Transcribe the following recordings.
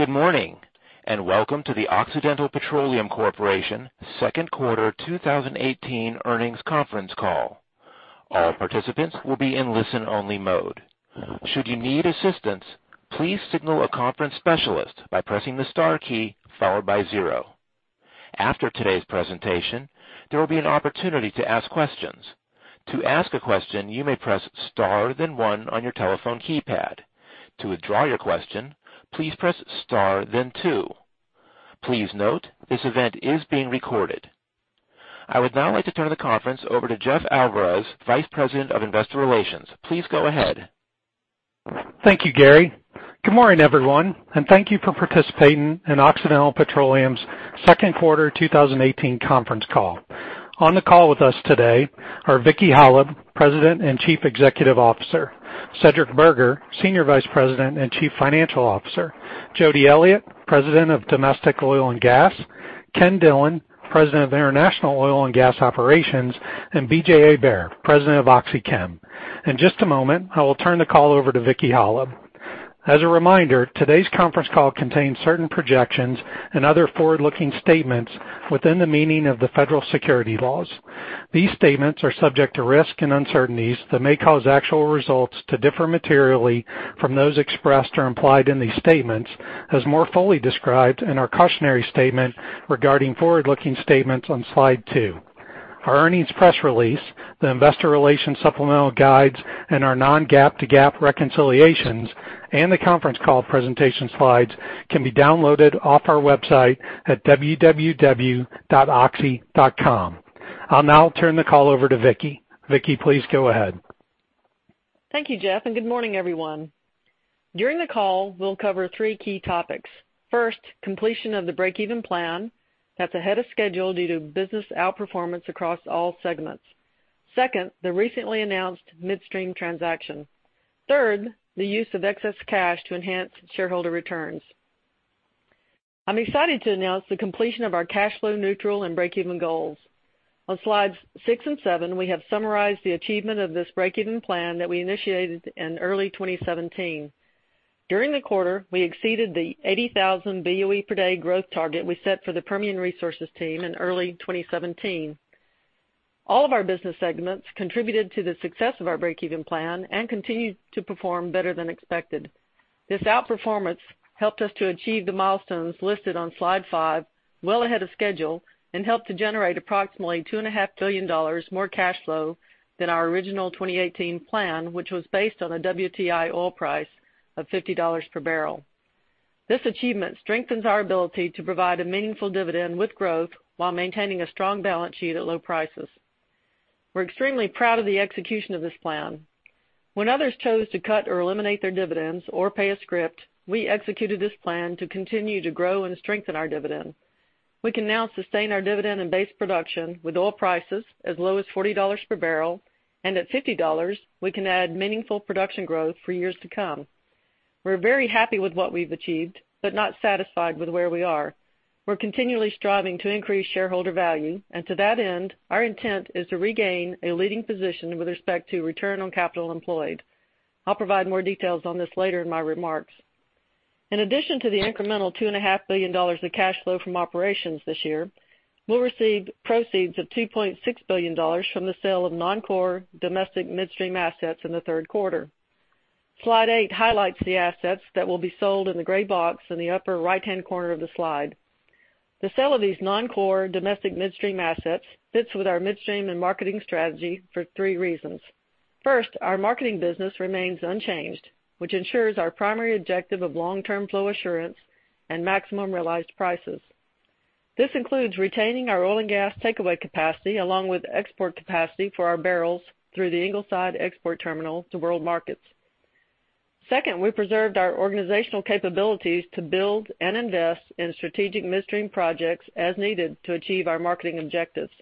Good morning, welcome to the Occidental Petroleum Corporation second quarter 2018 earnings conference call. All participants will be in listen-only mode. Should you need assistance, please signal a conference specialist by pressing the star key followed by zero. After today's presentation, there will be an opportunity to ask questions. To ask a question, you may press star then one on your telephone keypad. To withdraw your question, please press star then two. Please note, this event is being recorded. I would now like to turn the conference over to Jeff Alvarez, Vice President of Investor Relations. Please go ahead. Thank you, Gary. Good morning, everyone, thank you for participating in Occidental Petroleum's second quarter 2018 conference call. On the call with us today are Vicki Hollub, President and Chief Executive Officer, Cedric Burgher, Senior Vice President and Chief Financial Officer, Jody Elliott, President of Domestic Oil and Gas, Ken Dillon, President of International Oil and Gas Operations, and B.J. Aybar, President of OxyChem. In just a moment, I will turn the call over to Vicki Hollub. As a reminder, today's conference call contains certain projections and other forward-looking statements within the meaning of the Federal securities laws. These statements are subject to risks and uncertainties that may cause actual results to differ materially from those expressed or implied in these statements, as more fully described in our cautionary statement regarding forward-looking statements on slide two. Our earnings press release, the investor relations supplemental guides, and our non-GAAP to GAAP reconciliations, and the conference call presentation slides can be downloaded off our website at www.oxy.com. I'll now turn the call over to Vicki. Vicki, please go ahead. Thank you, Jeff, good morning, everyone. During the call, we'll cover three key topics. First, completion of the break-even plan that's ahead of schedule due to business outperformance across all segments. Second, the recently announced midstream transaction. Third, the use of excess cash to enhance shareholder returns. I'm excited to announce the completion of our cash flow neutral and break-even goals. On slides six and seven, we have summarized the achievement of this break-even plan that we initiated in early 2017. During the quarter, we exceeded the 80,000 BOE per day growth target we set for the Permian Resources team in early 2017. All of our business segments contributed to the success of our break-even plan and continued to perform better than expected. This outperformance helped us to achieve the milestones listed on slide five well ahead of schedule and helped to generate approximately $2.5 billion more cash flow than our original 2018 plan, which was based on a WTI oil price of $50 per barrel. This achievement strengthens our ability to provide a meaningful dividend with growth while maintaining a strong balance sheet at low prices. We're extremely proud of the execution of this plan. When others chose to cut or eliminate their dividends or pay a script, we executed this plan to continue to grow and strengthen our dividend. We can now sustain our dividend and base production with oil prices as low as $40 per barrel, and at $50, we can add meaningful production growth for years to come. We're very happy with what we've achieved, but not satisfied with where we are. We're continually striving to increase shareholder value, and to that end, our intent is to regain a leading position with respect to return on capital employed. I'll provide more details on this later in my remarks. In addition to the incremental $2.5 billion of cash flow from operations this year, we'll receive proceeds of $2.6 billion from the sale of non-core domestic midstream assets in the third quarter. Slide eight highlights the assets that will be sold in the gray box in the upper right-hand corner of the slide. The sale of these non-core domestic midstream assets fits with our midstream and marketing strategy for three reasons. First, our marketing business remains unchanged, which ensures our primary objective of long-term flow assurance and maximum realized prices. This includes retaining our oil and gas takeaway capacity, along with export capacity for our barrels through the Ingleside Export Terminal to world markets. Second, we preserved our organizational capabilities to build and invest in strategic midstream projects as needed to achieve our marketing objectives.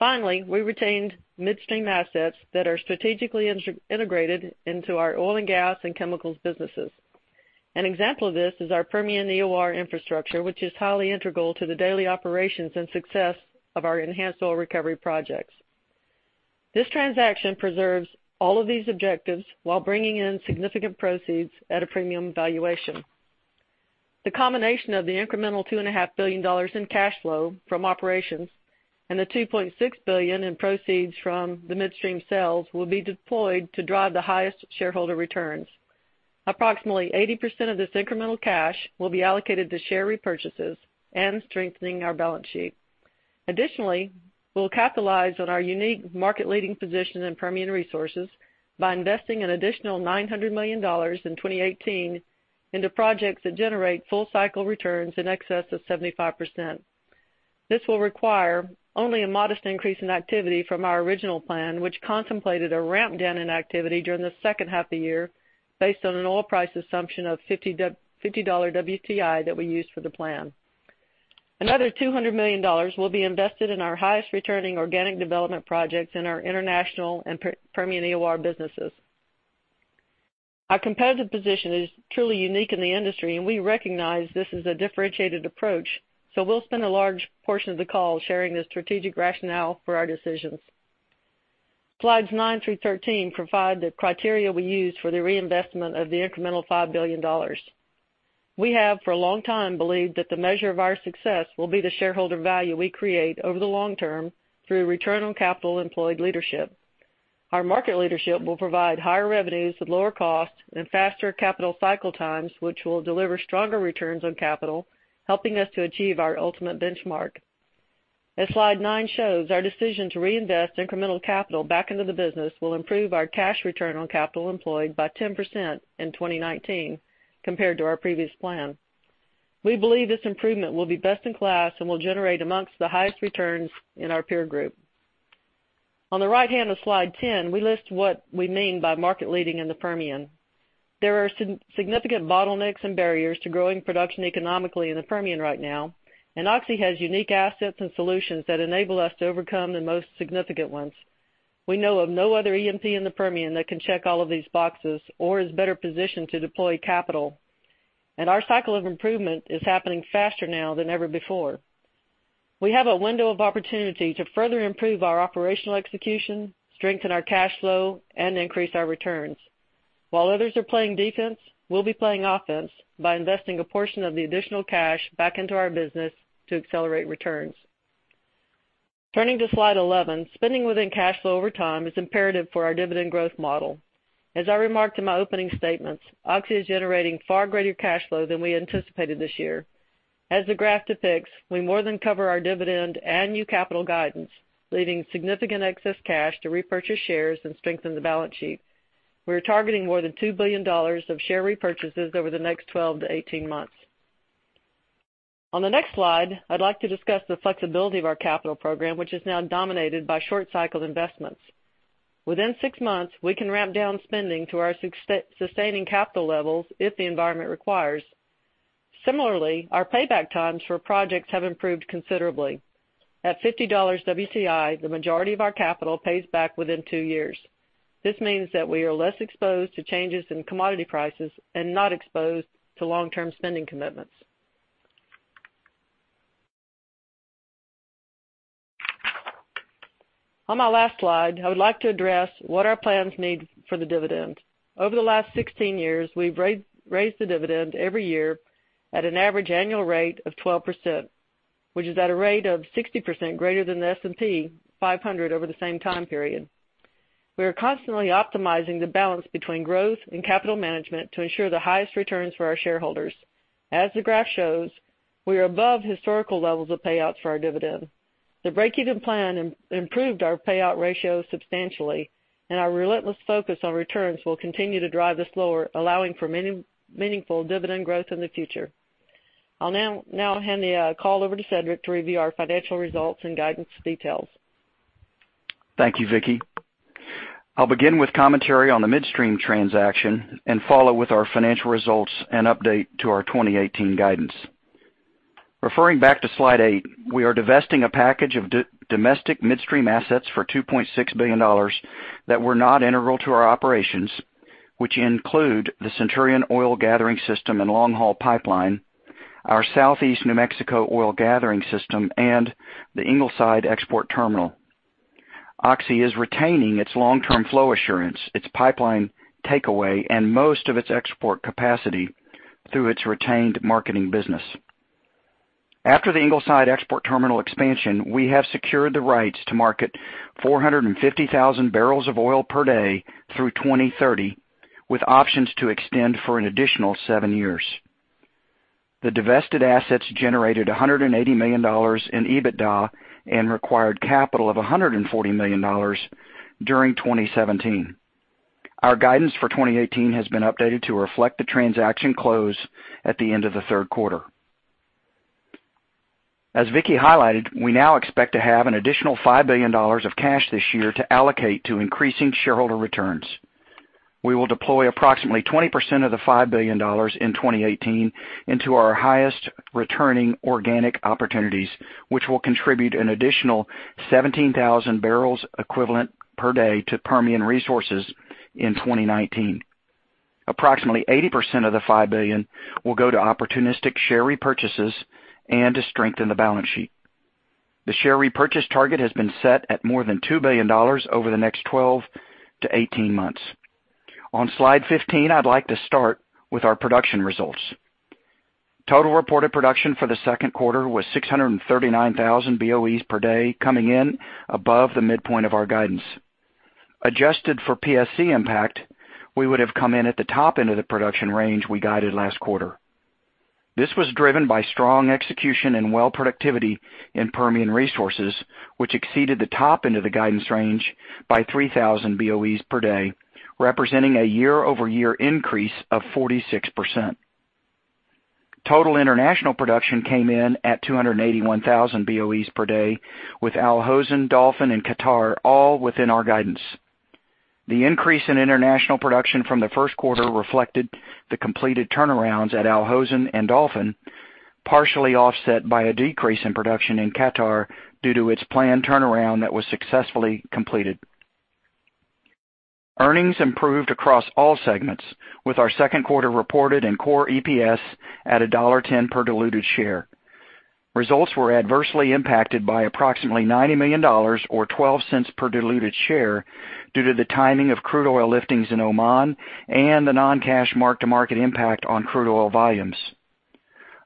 Finally, we retained midstream assets that are strategically integrated into our oil and gas and chemicals businesses. An example of this is our Permian EOR infrastructure, which is highly integral to the daily operations and success of our enhanced oil recovery projects. This transaction preserves all of these objectives while bringing in significant proceeds at a premium valuation. The combination of the incremental $2.5 billion in cash flow from operations and the $2.6 billion in proceeds from the midstream sales will be deployed to drive the highest shareholder returns. Approximately 80% of this incremental cash will be allocated to share repurchases and strengthening our balance sheet. Additionally, we'll capitalize on our unique market-leading position in Permian Resources by investing an additional $900 million in 2018 into projects that generate full-cycle returns in excess of 75%. This will require only a modest increase in activity from our original plan, which contemplated a ramp down in activity during the second half of the year based on an oil price assumption of $50 WTI that we used for the plan. Another $200 million will be invested in our highest returning organic development projects in our international and Permian EOR businesses. Our competitive position is truly unique in the industry, and we recognize this is a differentiated approach, so we'll spend a large portion of the call sharing the strategic rationale for our decisions. Slides nine through 13 provide the criteria we use for the reinvestment of the incremental $5 billion. We have, for a long time, believed that the measure of our success will be the shareholder value we create over the long term through return on capital employed leadership. Our market leadership will provide higher revenues at lower costs and faster capital cycle times, which will deliver stronger returns on capital, helping us to achieve our ultimate benchmark. As slide nine shows, our decision to reinvest incremental capital back into the business will improve our cash return on capital employed by 10% in 2019 compared to our previous plan. We believe this improvement will be best in class and will generate amongst the highest returns in our peer group. On the right hand of slide 10, we list what we mean by market leading in the Permian. There are significant bottlenecks and barriers to growing production economically in the Permian right now. Oxy has unique assets and solutions that enable us to overcome the most significant ones. We know of no other E&P in the Permian that can check all of these boxes or is better positioned to deploy capital. Our cycle of improvement is happening faster now than ever before. We have a window of opportunity to further improve our operational execution, strengthen our cash flow, and increase our returns. While others are playing defense, we'll be playing offense by investing a portion of the additional cash back into our business to accelerate returns. Turning to slide 11, spending within cash flow over time is imperative for our dividend growth model. As I remarked in my opening statements, Oxy is generating far greater cash flow than we anticipated this year. As the graph depicts, we more than cover our dividend and new capital guidance, leaving significant excess cash to repurchase shares and strengthen the balance sheet. We are targeting more than $2 billion of share repurchases over the next 12 to 18 months. On the next slide, I'd like to discuss the flexibility of our capital program, which is now dominated by short cycle investments. Within six months, we can ramp down spending to our sustaining capital levels if the environment requires. Similarly, our payback times for projects have improved considerably. At $50 WTI, the majority of our capital pays back within two years. This means that we are less exposed to changes in commodity prices and not exposed to long-term spending commitments. On my last slide, I would like to address what our plans need for the dividend. Over the last 16 years, we've raised the dividend every year at an average annual rate of 12%, which is at a rate of 60% greater than the S&P 500 over the same time period. We are constantly optimizing the balance between growth and capital management to ensure the highest returns for our shareholders. As the graph shows, we are above historical levels of payouts for our dividend. The breakeven plan improved our payout ratio substantially. Our relentless focus on returns will continue to drive this lower, allowing for meaningful dividend growth in the future. I'll now hand the call over to Cedric to review our financial results and guidance details. Thank you, Vicki. I'll begin with commentary on the midstream transaction and follow with our financial results and update to our 2018 guidance. Referring back to slide eight, we are divesting a package of domestic midstream assets for $2.6 billion that were not integral to our operations, which include the Centurion Oil Gathering System and Longhaul Pipeline, our Southeast New Mexico Oil Gathering System, and the Ingleside Export Terminal. Oxy is retaining its long-term flow assurance, its pipeline takeaway, and most of its export capacity through its retained marketing business. After the Ingleside Export Terminal expansion, we have secured the rights to market 450,000 barrels of oil per day through 2030, with options to extend for an additional seven years. The divested assets generated $180 million in EBITDA and required capital of $140 million during 2017. Our guidance for 2018 has been updated to reflect the transaction close at the end of the third quarter. As Vicki highlighted, we now expect to have an additional $5 billion of cash this year to allocate to increasing shareholder returns. We will deploy approximately 20% of the $5 billion in 2018 into our highest returning organic opportunities, which will contribute an additional 17,000 barrels equivalent per day to Permian Resources in 2019. Approximately 80% of the $5 billion will go to opportunistic share repurchases and to strengthen the balance sheet. The share repurchase target has been set at more than $2 billion over the next 12 to 18 months. On slide 15, I'd like to start with our production results. Total reported production for the second quarter was 639,000 BOEs per day, coming in above the midpoint of our guidance. Adjusted for PSC impact, we would have come in at the top end of the production range we guided last quarter. This was driven by strong execution and well productivity in Permian Resources, which exceeded the top end of the guidance range by 3,000 BOEs per day, representing a year-over-year increase of 46%. Total international production came in at 281,000 BOEs per day, with Al Hosn, Dolphin, and Qatar all within our guidance. The increase in international production from the first quarter reflected the completed turnarounds at Al Hosn and Dolphin, partially offset by a decrease in production in Qatar due to its planned turnaround that was successfully completed. Earnings improved across all segments with our second quarter reported and core EPS at a $1.10 per diluted share. Results were adversely impacted by approximately $90 million or $0.12 per diluted share due to the timing of crude oil liftings in Oman and the non-cash mark-to-market impact on crude oil volumes.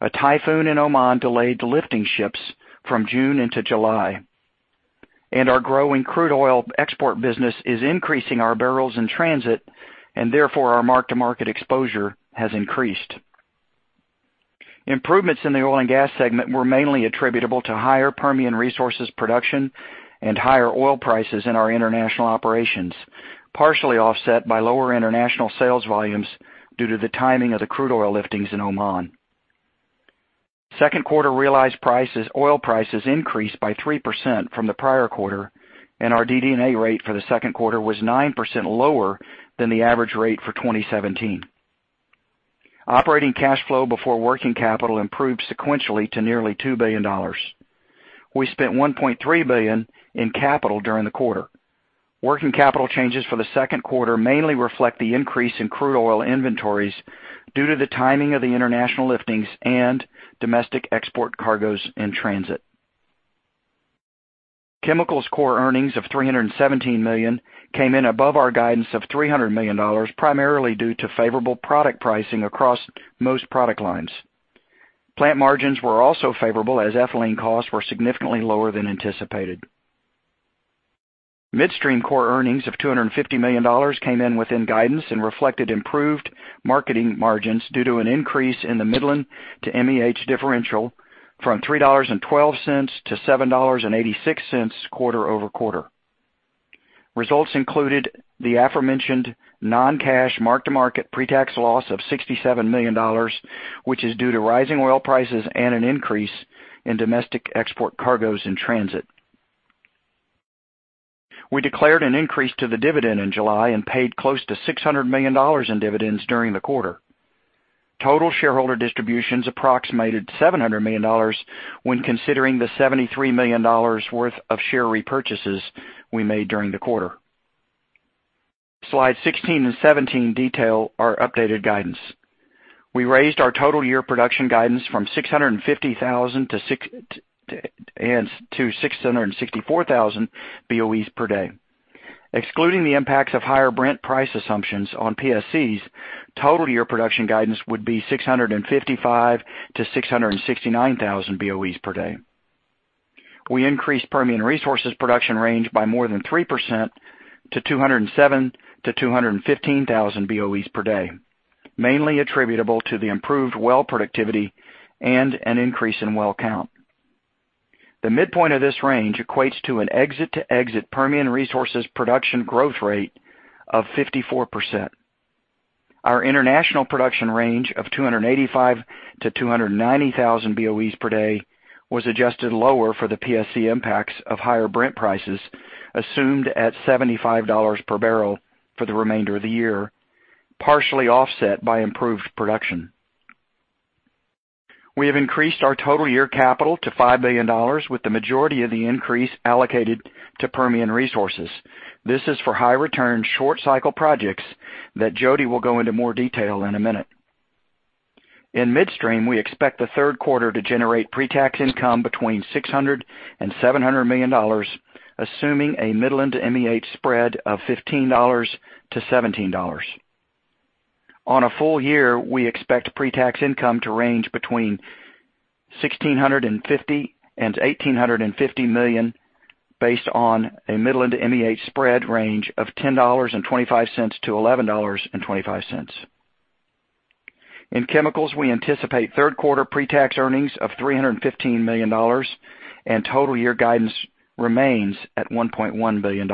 A typhoon in Oman delayed the lifting ships from June into July. Our growing crude oil export business is increasing our barrels in transit. Therefore, our mark-to-market exposure has increased. Improvements in the oil and gas segment were mainly attributable to higher Permian Resources production and higher oil prices in our international operations, partially offset by lower international sales volumes due to the timing of the crude oil liftings in Oman. Second quarter realized oil prices increased by 3% from the prior quarter. Our DD&A rate for the second quarter was 9% lower than the average rate for 2017. Operating cash flow before working capital improved sequentially to nearly $2 billion. We spent $1.3 billion in capital during the quarter. Working capital changes for the second quarter mainly reflect the increase in crude oil inventories due to the timing of the international liftings and domestic export cargoes in transit. Chemicals core earnings of $317 million came in above our guidance of $300 million, primarily due to favorable product pricing across most product lines. Plant margins were also favorable as ethylene costs were significantly lower than anticipated. Midstream core earnings of $250 million came in within guidance and reflected improved marketing margins due to an increase in the Midland to MEH differential from $3.12 to $7.86 quarter-over-quarter. Results included the aforementioned non-cash mark-to-market pre-tax loss of $67 million, which is due to rising oil prices and an increase in domestic export cargoes in transit. We declared an increase to the dividend in July and paid close to $600 million in dividends during the quarter. Total shareholder distributions approximated $700 million when considering the $73 million worth of share repurchases we made during the quarter. Slide 16 and 17 detail our updated guidance. We raised our total year production guidance from 650,000-664,000 BOEs per day. Excluding the impacts of higher Brent price assumptions on PSCs, total year production guidance would be 655,000-669,000 BOEs per day. We increased Permian Resources production range by more than 3% to 207,000-215,000 BOEs per day, mainly attributable to the improved well productivity and an increase in well count. The midpoint of this range equates to an exit to exit Permian Resources production growth rate of 54%. Our international production range of 285,000-290,000 BOEs per day was adjusted lower for the PSC impacts of higher Brent prices assumed at $75 per barrel for the remainder of the year, partially offset by improved production. We have increased our total year capital to $5 billion with the majority of the increase allocated to Permian Resources. This is for high return, short cycle projects that Jody will go into more detail in a minute. In Midstream, we expect the third quarter to generate pre-tax income between $600 million-$700 million, assuming a Midland to MEH spread of $15-$17. On a full year, we expect pre-tax income to range between $1,650 million-$1,850 million based on a Midland to MEH spread range of $10.25-$11.25. In Chemicals, we anticipate third quarter pre-tax earnings of $315 million and total year guidance remains at $1.1 billion.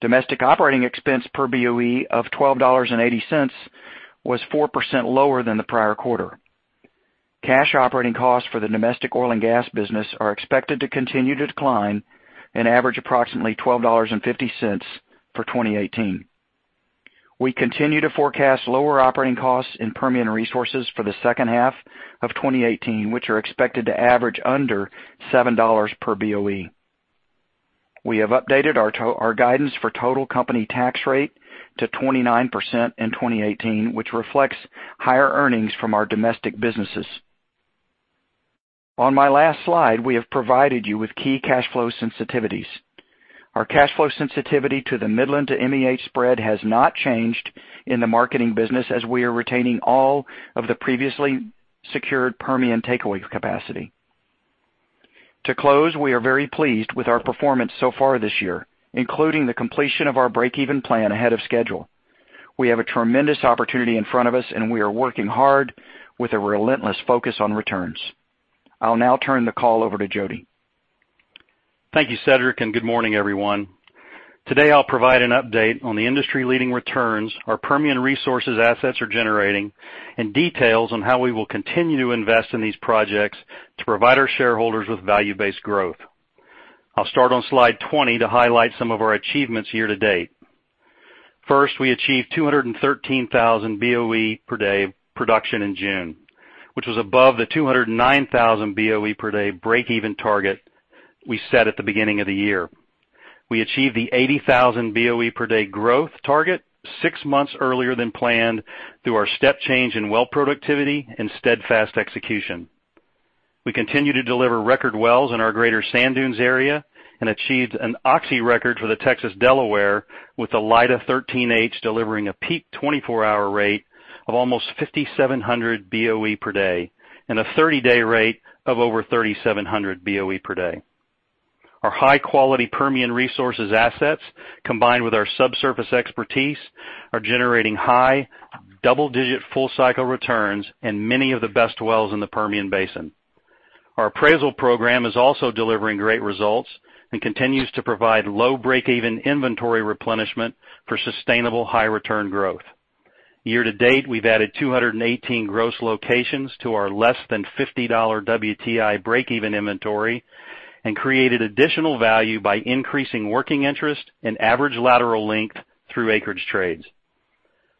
Domestic operating expense per BOE of $12.80 was 4% lower than the prior quarter. Cash operating costs for the domestic oil and gas business are expected to continue to decline and average approximately $12.50 for 2018. We continue to forecast lower operating costs in Permian Resources for the second half of 2018, which are expected to average under $7 per BOE. We have updated our guidance for total company tax rate to 29% in 2018, which reflects higher earnings from our domestic businesses. On my last slide, we have provided you with key cash flow sensitivities. Our cash flow sensitivity to the Midland to MEH spread has not changed in the marketing business as we are retaining all of the previously secured Permian takeaway capacity. To close, we are very pleased with our performance so far this year, including the completion of our breakeven plan ahead of schedule. We have a tremendous opportunity in front of us. We are working hard with a relentless focus on returns. I'll now turn the call over to Jody. Thank you, Cedric. Good morning, everyone. Today, I'll provide an update on the industry leading returns our Permian Resources assets are generating and details on how we will continue to invest in these projects to provide our shareholders with value-based growth. I'll start on slide 20 to highlight some of our achievements year to date. First, we achieved 213,000 BOE per day production in June, which was above the 209,000 BOE per day breakeven target we set at the beginning of the year. We achieved the 80,000 BOE per day growth target six months earlier than planned through our step change in well productivity and steadfast execution. We continue to deliver record wells in our Greater Sand Dunes area and achieved an Oxy record for the Texas Delaware with the Lida 13H delivering a peak 24-hour rate of almost 5,700 BOE per day and a 30-day rate of over 3,700 BOE per day. Our high-quality Permian Resources assets, combined with our subsurface expertise, are generating high double-digit full-cycle returns in many of the best wells in the Permian Basin. Our appraisal program is also delivering great results and continues to provide low breakeven inventory replenishment for sustainable high-return growth. Year to date, we've added 218 gross locations to our less than $50 WTI breakeven inventory and created additional value by increasing working interest and average lateral length through acreage trades.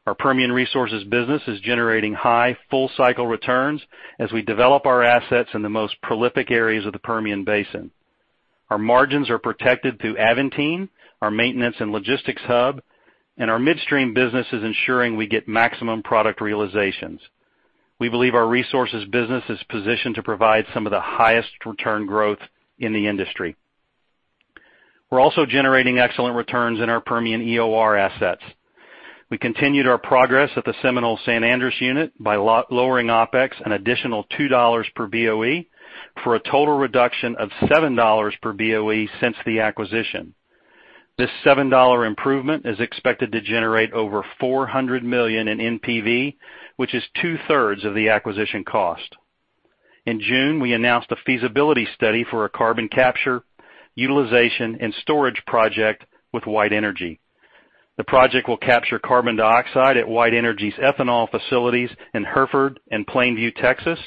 Our Permian Resources business is generating high full-cycle returns as we develop our assets in the most prolific areas of the Permian Basin. Our margins are protected through Aventine, our maintenance and logistics hub. Our midstream business is ensuring we get maximum product realizations. We believe our resources business is positioned to provide some of the highest return growth in the industry. We're also generating excellent returns in our Permian EOR assets. We continued our progress at the Seminole San Andres unit by lowering OpEx an additional $2 per BOE for a total reduction of $7 per BOE since the acquisition. This $7 improvement is expected to generate over $400 million in NPV, which is two-thirds of the acquisition cost. In June, we announced a feasibility study for a carbon capture, utilization, and storage project with White Energy. The project will capture carbon dioxide at White Energy's ethanol facilities in Hereford and Plainview, Texas,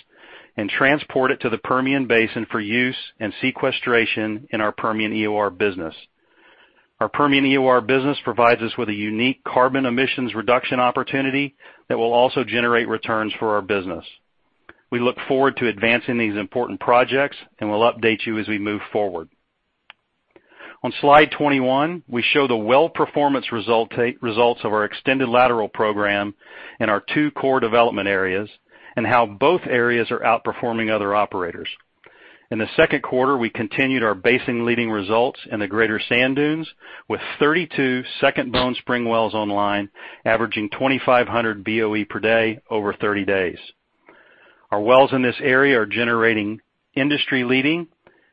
and transport it to the Permian Basin for use and sequestration in our Permian EOR business. Our Permian EOR business provides us with a unique carbon emissions reduction opportunity that will also generate returns for our business. We look forward to advancing these important projects, and we will update you as we move forward. On slide 21, we show the well performance results of our extended lateral program in our two core development areas and how both areas are outperforming other operators. In the second quarter, we continued our basin-leading results in the Greater Sand Dunes with 32 second Bone Spring wells online, averaging 2,500 BOE per day over 30 days. Our wells in this area are generating industry-leading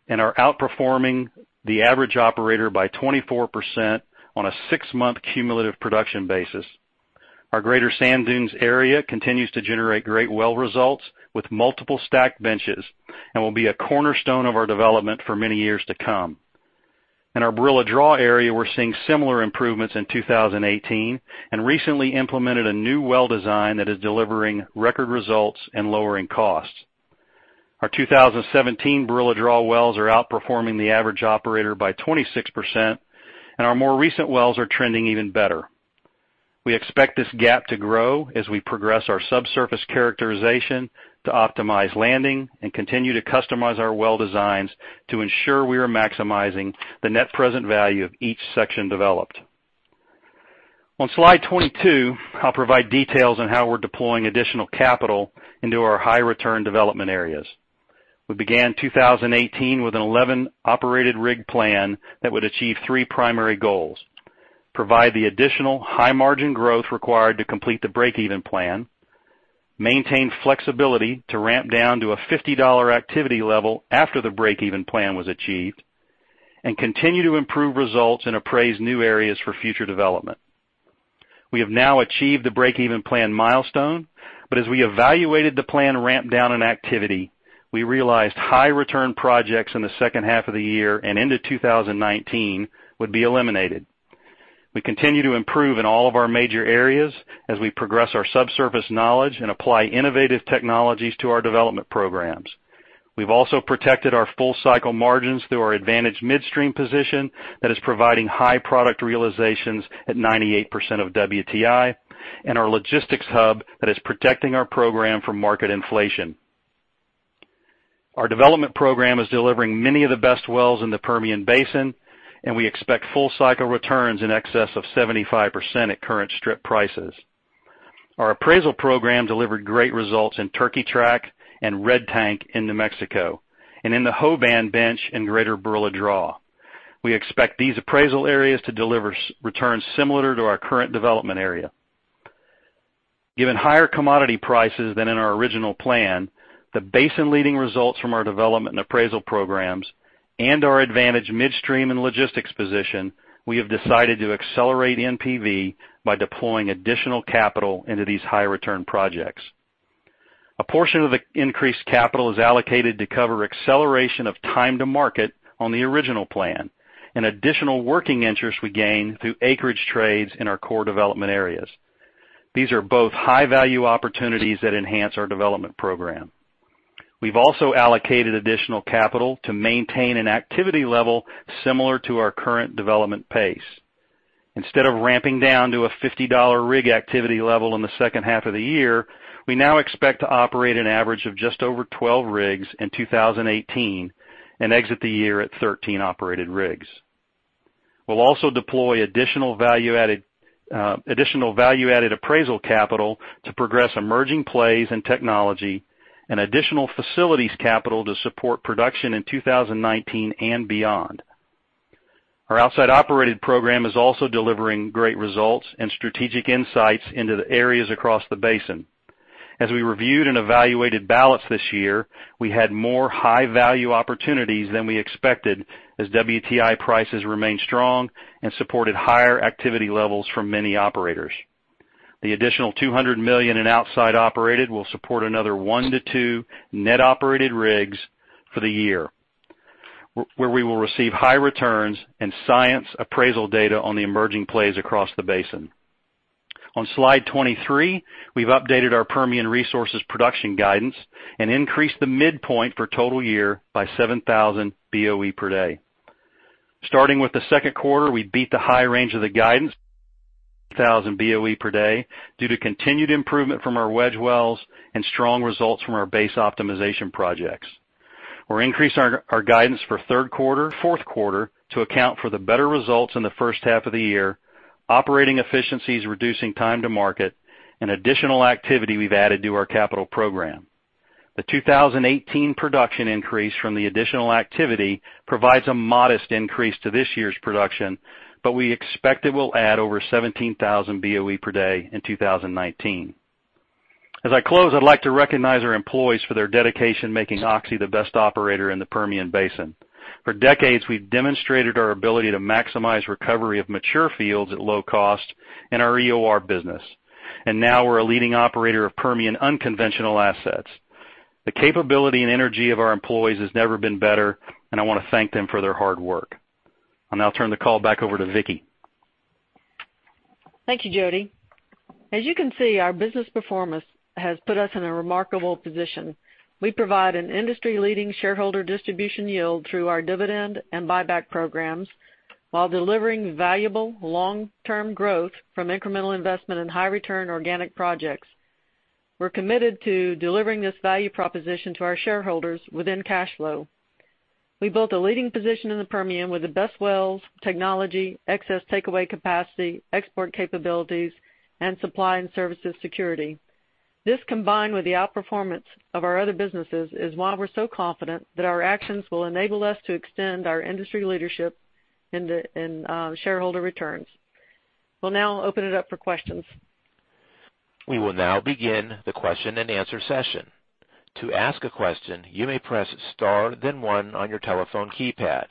and are outperforming the average operator by 24% on a six-month cumulative production basis. Our Greater Sand Dunes area continues to generate great well results with multiple stacked benches and will be a cornerstone of our development for many years to come. In our Barilla Draw area, we are seeing similar improvements in 2018 and recently implemented a new well design that is delivering record results and lowering costs. Our 2017 Barilla Draw wells are outperforming the average operator by 26%, and our more recent wells are trending even better. We expect this gap to grow as we progress our subsurface characterization to optimize landing and continue to customize our well designs to ensure we are maximizing the net present value of each section developed. On slide 22, I will provide details on how we are deploying additional capital into our high-return development areas. We began 2018 with an 11-operated rig plan that would achieve three primary goals: provide the additional high-margin growth required to complete the breakeven plan, maintain flexibility to ramp down to a $50 activity level after the breakeven plan was achieved, and continue to improve results and appraise new areas for future development. We have now achieved the breakeven plan milestone. As we evaluated the plan ramp down in activity, we realized high-return projects in the second half of the year and into 2019 would be eliminated. We continue to improve in all of our major areas as we progress our subsurface knowledge and apply innovative technologies to our development programs. We have also protected our full-cycle margins through our advantage midstream position that is providing high product realizations at 98% of WTI and our logistics hub that is protecting our program from market inflation. Our development program is delivering many of the best wells in the Permian Basin. We expect full-cycle returns in excess of 75% at current strip prices. Our appraisal program delivered great results in Turkey Track and Red Tank in New Mexico and in the Hoban Bench in Greater Barilla Draw. We expect these appraisal areas to deliver returns similar to our current development area. Given higher commodity prices than in our original plan, the basin-leading results from our development and appraisal programs, and our advantage midstream and logistics position, we have decided to accelerate NPV by deploying additional capital into these high-return projects. A portion of the increased capital is allocated to cover acceleration of time to market on the original plan and additional working interest we gain through acreage trades in our core development areas. These are both high-value opportunities that enhance our development program. We've also allocated additional capital to maintain an activity level similar to our current development pace. Instead of ramping down to a $50 rig activity level in the second half of the year, we now expect to operate an average of just over 12 rigs in 2018 and exit the year at 13 operated rigs. We'll also deploy additional value-added appraisal capital to progress emerging plays and technology, and additional facilities capital to support production in 2019 and beyond. Our outside operated program is also delivering great results and strategic insights into the areas across the basin. As we reviewed and evaluated ballots this year, we had more high-value opportunities than we expected, as WTI prices remained strong and supported higher activity levels from many operators. The additional $200 million in outside operated will support another 1 to 2 net operated rigs for the year, where we will receive high returns and science appraisal data on the emerging plays across the basin. On slide 23, we've updated our Permian Resources production guidance and increased the midpoint for total year by 7,000 BOE per day. Starting with the second quarter, we beat the high range of the guidance, 1,000 BOE per day, due to continued improvement from our wedge wells and strong results from our base optimization projects. We're increasing our guidance for third quarter, fourth quarter to account for the better results in the first half of the year, operating efficiencies reducing time to market, and additional activity we've added to our capital program. The 2018 production increase from the additional activity provides a modest increase to this year's production, but we expect it will add over 17,000 BOE per day in 2019. As I close, I'd like to recognize our employees for their dedication, making Oxy the best operator in the Permian Basin. For decades, we've demonstrated our ability to maximize recovery of mature fields at low cost in our EOR business. Now we're a leading operator of Permian unconventional assets. The capability and energy of our employees has never been better, and I want to thank them for their hard work. I'll now turn the call back over to Vicki. Thank you, Jody. As you can see, our business performance has put us in a remarkable position. We provide an industry-leading shareholder distribution yield through our dividend and buyback programs, while delivering valuable long-term growth from incremental investment in high-return organic projects. We're committed to delivering this value proposition to our shareholders within cash flow. We built a leading position in the Permian with the best wells, technology, excess takeaway capacity, export capabilities, and supply and services security. This, combined with the outperformance of our other businesses, is why we're so confident that our actions will enable us to extend our industry leadership in shareholder returns. We'll now open it up for questions. We will now begin the question-and-answer session. To ask a question, you may press star then one on your telephone keypad.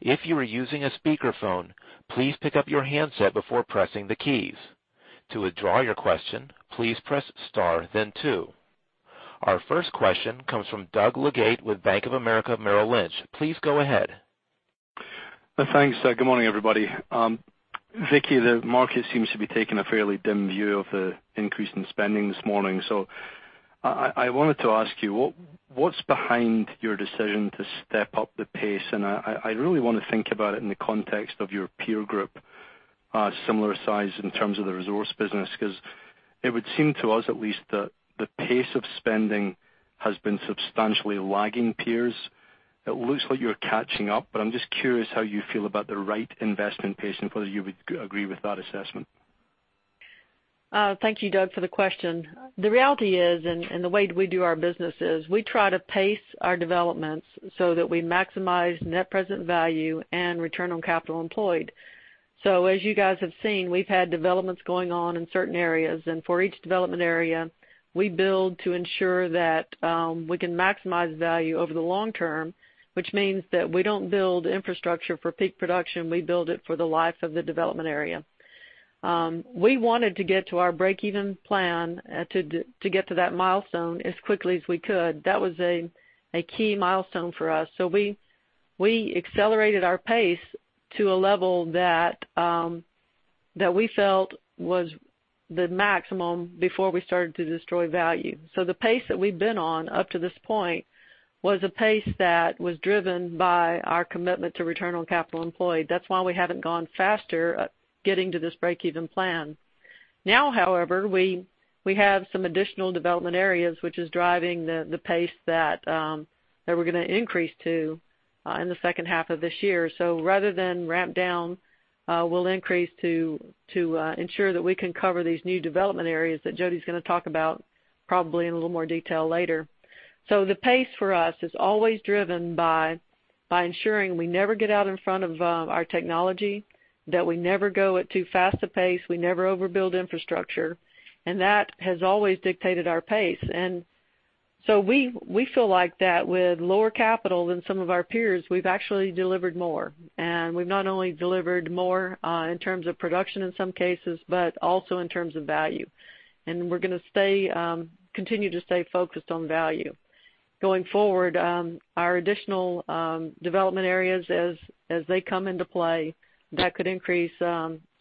If you are using a speakerphone, please pick up your handset before pressing the keys. To withdraw your question, please press star then two. Our first question comes from Doug Leggate with Bank of America Merrill Lynch. Please go ahead. Thanks. Good morning, everybody. Vicki, the market seems to be taking a fairly dim view of the increase in spending this morning. I wanted to ask you, what's behind your decision to step up the pace? I really want to think about it in the context of your peer group, similar size in terms of the resource business, because it would seem to us at least that the pace of spending has been substantially lagging peers. It looks like you're catching up, but I'm just curious how you feel about the right investment pace and whether you would agree with that assessment. Thank you, Doug, for the question. The reality is, the way we do our business is, we try to pace our developments so that we maximize net present value and return on capital employed. As you guys have seen, we've had developments going on in certain areas, for each development area, we build to ensure that we can maximize value over the long term, which means that we don't build infrastructure for peak production, we build it for the life of the development area. We wanted to get to our break-even plan, to get to that milestone as quickly as we could. That was a key milestone for us. We accelerated our pace to a level that we felt was the maximum before we started to destroy value. The pace that we've been on up to this point was a pace that was driven by our commitment to return on capital employed. That's why we haven't gone faster getting to this break-even plan. Now, however, we have some additional development areas, which is driving the pace that we're going to increase to in the second half of this year. Rather than ramp down, we'll increase to ensure that we can cover these new development areas that Jody's going to talk about probably in a little more detail later. The pace for us is always driven by ensuring we never get out in front of our technology, that we never go at too fast a pace, we never overbuild infrastructure, and that has always dictated our pace. We feel like that with lower capital than some of our peers, we've actually delivered more. We've not only delivered more in terms of production in some cases, but also in terms of value. We're going to continue to stay focused on value. Going forward, our additional development areas, as they come into play, that could increase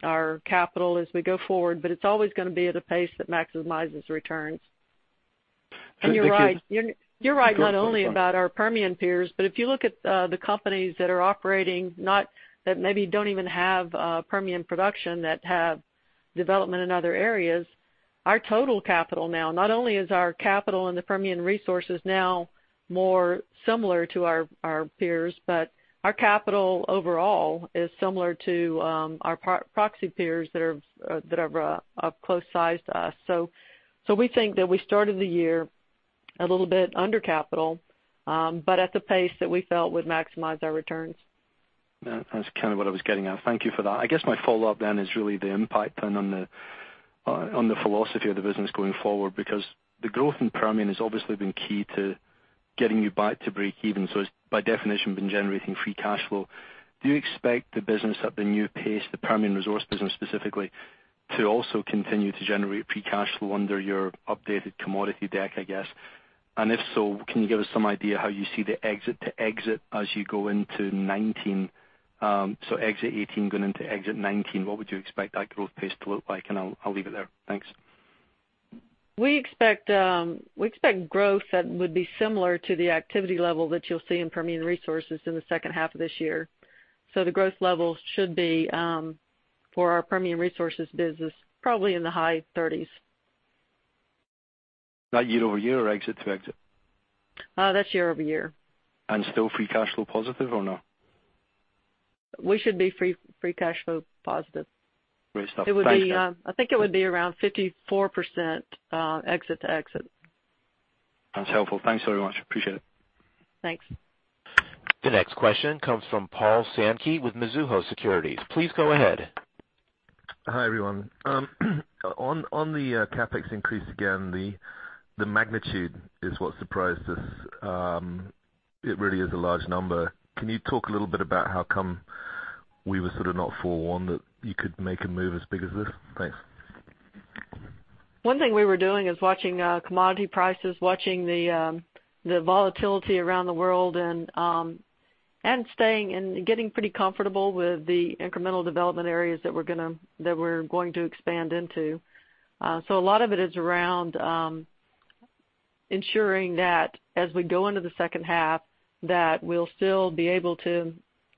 our capital as we go forward, but it's always going to be at a pace that maximizes returns. You're right not only about our Permian peers, but if you look at the companies that are operating, that maybe don't even have Permian production, that have development in other areas, our total capital now, not only is our capital and the Permian Resources now more similar to our peers, but our capital overall is similar to our proxy peers that are of close size to us. We think that we started the year a little bit under capital, but at the pace that we felt would maximize our returns. That's kind of what I was getting at. Thank you for that. I guess my follow-up then is really the impact then on the philosophy of the business going forward, because the growth in Permian has obviously been key to getting you back to breakeven. It's by definition, been generating free cash flow. Do you expect the business at the new pace, the Permian Resources business specifically, to also continue to generate free cash flow under your updated commodity deck, I guess? If so, can you give us some idea how you see the exit to exit as you go into 2019? Exit 2018 going into exit 2019, what would you expect that growth pace to look like? I'll leave it there. Thanks. We expect growth that would be similar to the activity level that you'll see in Permian Resources in the second half of this year. The growth levels should be, for our Permian Resources business, probably in the high 30s. Is that year-over-year or exit-to-exit? That's year-over-year. Still free cash flow positive or no? We should be free cash flow positive. Great stuff. Thank you. I think it would be around 54%, exit to exit. That's helpful. Thanks very much. Appreciate it. Thanks. The next question comes from Paul Sankey with Mizuho Securities. Please go ahead. Hi, everyone. On the CapEx increase again, the magnitude is what surprised us. It really is a large number. Can you talk a little bit about how come we were sort of not forewarned that you could make a move as big as this? Thanks. One thing we were doing is watching commodity prices, watching the volatility around the world, and staying and getting pretty comfortable with the incremental development areas that we're going to expand into. A lot of it is around ensuring that as we go into the second half, that we'll still be able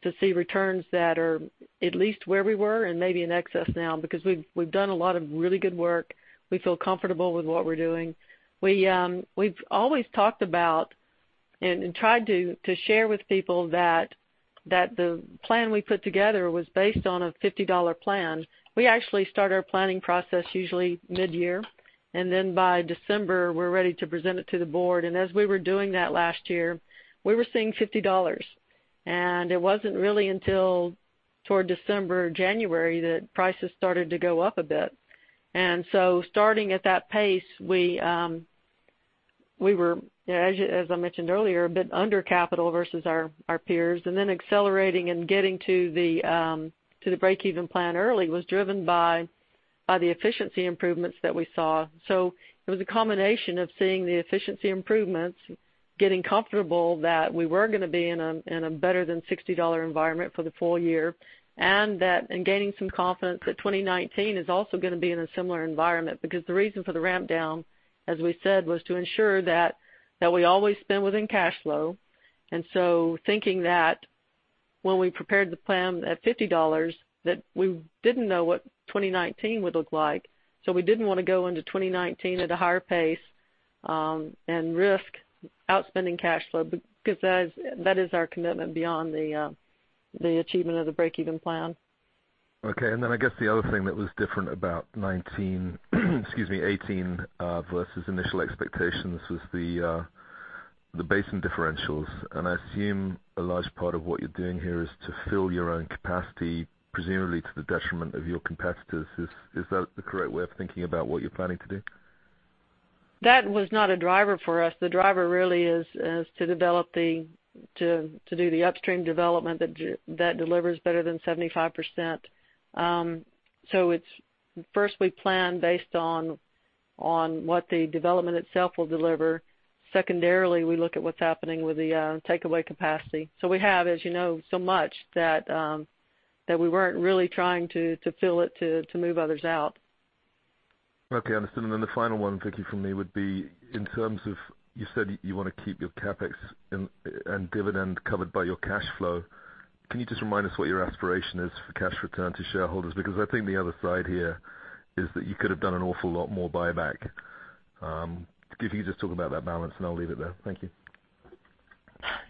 to see returns that are at least where we were and maybe in excess now, because we've done a lot of really good work. We feel comfortable with what we're doing. We've always talked about and tried to share with people that the plan we put together was based on a $50 plan. We actually start our planning process usually mid-year, then by December, we're ready to present it to the board. As we were doing that last year, we were seeing $50. It wasn't really until toward December, January, that prices started to go up a bit. Starting at that pace, we were, as I mentioned earlier, a bit under capital versus our peers. Accelerating and getting to the breakeven plan early was driven by the efficiency improvements that we saw. It was a combination of seeing the efficiency improvements, getting comfortable that we were going to be in a better than $60 environment for the full year, and gaining some confidence that 2019 is also going to be in a similar environment. The reason for the ramp down, as we said, was to ensure that we always spend within cash flow. Thinking that when we prepared the plan at $50, that we didn't know what 2019 would look like. We didn't want to go into 2019 at a higher pace, and risk outspending cash flow, because that is our commitment beyond the achievement of the breakeven plan. Okay. I guess the other thing that was different about 2018 versus initial expectations was the basin differentials. I assume a large part of what you're doing here is to fill your own capacity, presumably to the detriment of your competitors. Is that the correct way of thinking about what you're planning to do? That was not a driver for us. The driver really is to do the upstream development that delivers better than 75%. First, we plan based on what the development itself will deliver. Secondarily, we look at what's happening with the takeaway capacity. We have, as you know, so much that we weren't really trying to fill it to move others out. Okay, understood. The final one, Vicki, from me would be in terms of, you said you want to keep your CapEx and dividend covered by your cash flow. Can you just remind us what your aspiration is for cash return to shareholders? I think the other side here is that you could have done an awful lot more buyback. If you could just talk about that balance, and I'll leave it there. Thank you.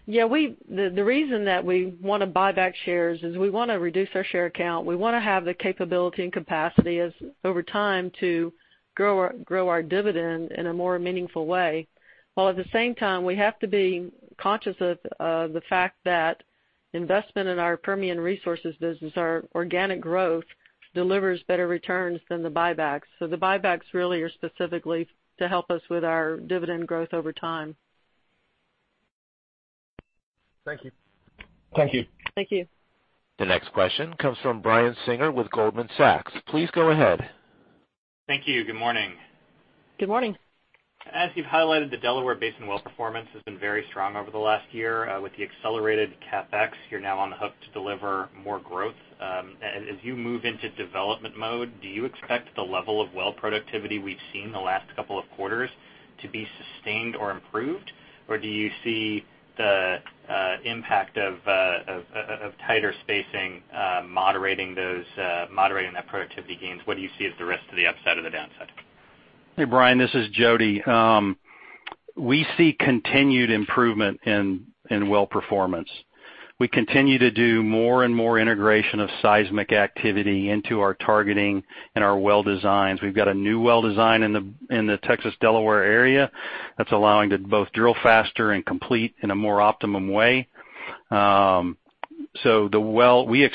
Yeah. The reason that we want to buy back shares is we want to reduce our share count. We want to have the capability and capacity over time to grow our dividend in a more meaningful way. While at the same time, we have to be conscious of the fact that investment in our Permian Resources business, our organic growth delivers better returns than the buybacks. The buybacks really are specifically to help us with our dividend growth over time. Thank you. Thank you. Thank you. The next question comes from Brian Singer with Goldman Sachs. Please go ahead. Thank you. Good morning. Good morning. As you've highlighted, the Delaware Basin well performance has been very strong over the last year. With the accelerated CapEx, you're now on the hook to deliver more growth. As you move into development mode, do you expect the level of well productivity we've seen the last couple of quarters to be sustained or improved, or do you see the impact of tighter spacing moderating that productivity gains? What do you see as the risk to the upside or the downside? Hey, Brian, this is Jody. We see continued improvement in well performance. We continue to do more and more integration of seismic activity into our targeting and our well designs. We've got a new well design in the Texas Delaware area that's allowing to both drill faster and complete in a more optimum way. We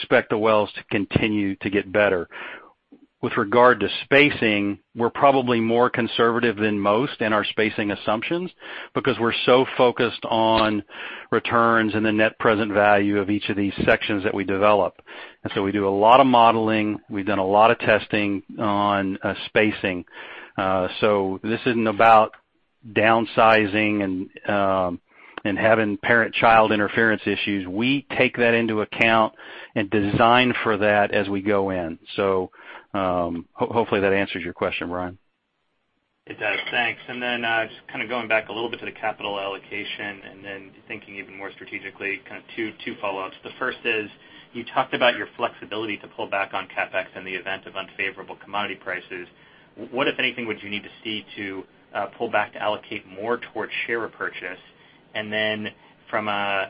expect the wells to continue to get better. With regard to spacing, we're probably more conservative than most in our spacing assumptions because we're so focused on returns and the net present value of each of these sections that we develop. We do a lot of modeling. We've done a lot of testing on spacing. This isn't about downsizing and having parent-child interference issues. We take that into account and design for that as we go in. Hopefully, that answers your question, Brian. It does. Thanks. Just going back a little bit to the capital allocation and then thinking even more strategically, two follow-ups. The first is, you talked about your flexibility to pull back on CapEx in the event of unfavorable commodity prices. What, if anything, would you need to see to pull back to allocate more towards share repurchase? From a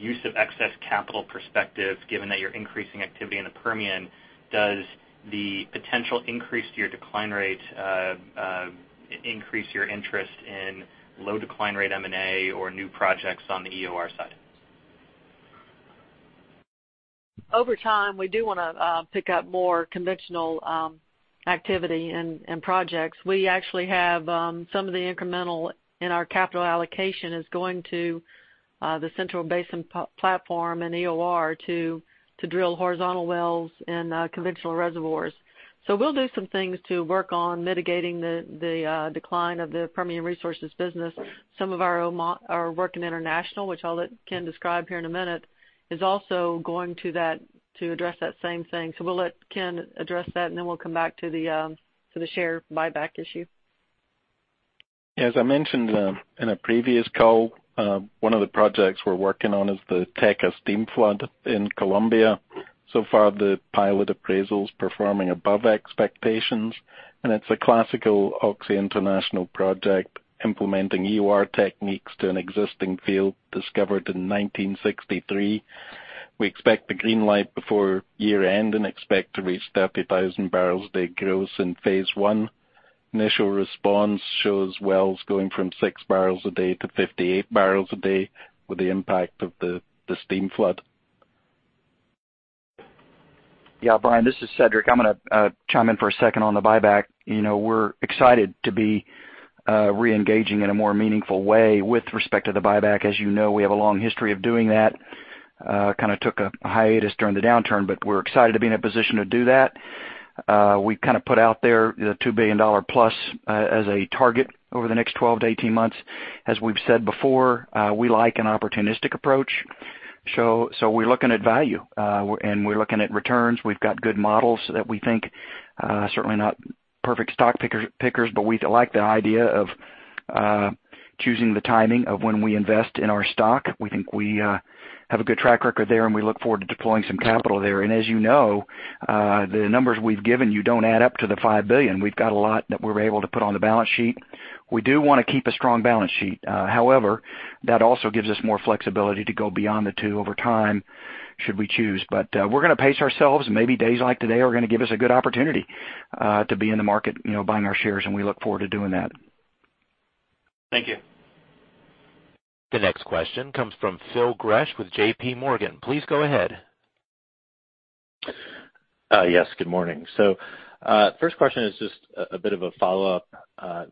use of excess capital perspective, given that you're increasing activity in the Permian, does the potential increase to your decline rate increase your interest in low decline rate M&A or new projects on the EOR side? Over time, we do want to pick up more conventional activity and projects. We actually have some of the incremental in our capital allocation is going to the Central Basin Platform and EOR to drill horizontal wells in conventional reservoirs. We'll do some things to work on mitigating the decline of the Permian Resources business. Some of our work in international, which I'll let Ken describe here in a minute, is also going to address that same thing. We'll let Ken address that, and then we'll come back to the share buyback issue. As I mentioned in a previous call, one of the projects we're working on is the Teca steam flood in Colombia. So far, the pilot appraisal's performing above expectations, and it's a classical Oxy International project implementing EOR techniques to an existing field discovered in 1963. We expect the green light before year-end and expect to reach 30,000 barrels day gross in phase 1. Initial response shows wells going from six barrels a day to 58 barrels a day with the impact of the steam flood. Brian, this is Cedric. I'm going to chime in for a second on the buyback. We're excited to be re-engaging in a more meaningful way with respect to the buyback. As you know, we have a long history of doing that. Kind of took a hiatus during the downturn. We're excited to be in a position to do that. We put out there the $2 billion-plus as a target over the next 12 to 18 months. As we've said before, we like an opportunistic approach. We're looking at value, and we're looking at returns. We've got good models that we think are certainly not perfect stock pickers. We like the idea of choosing the timing of when we invest in our stock. We think we have a good track record there, and we look forward to deploying some capital there. As you know, the numbers we've given you don't add up to the $5 billion. We've got a lot that we're able to put on the balance sheet. We do want to keep a strong balance sheet. However, that also gives us more flexibility to go beyond the two over time should we choose. We're going to pace ourselves, maybe days like today are going to give us a good opportunity to be in the market buying our shares, and we look forward to doing that. Thank you. The next question comes from Phil Gresh with JPMorgan. Please go ahead. Yes, good morning. First question is just a bit of a follow-up.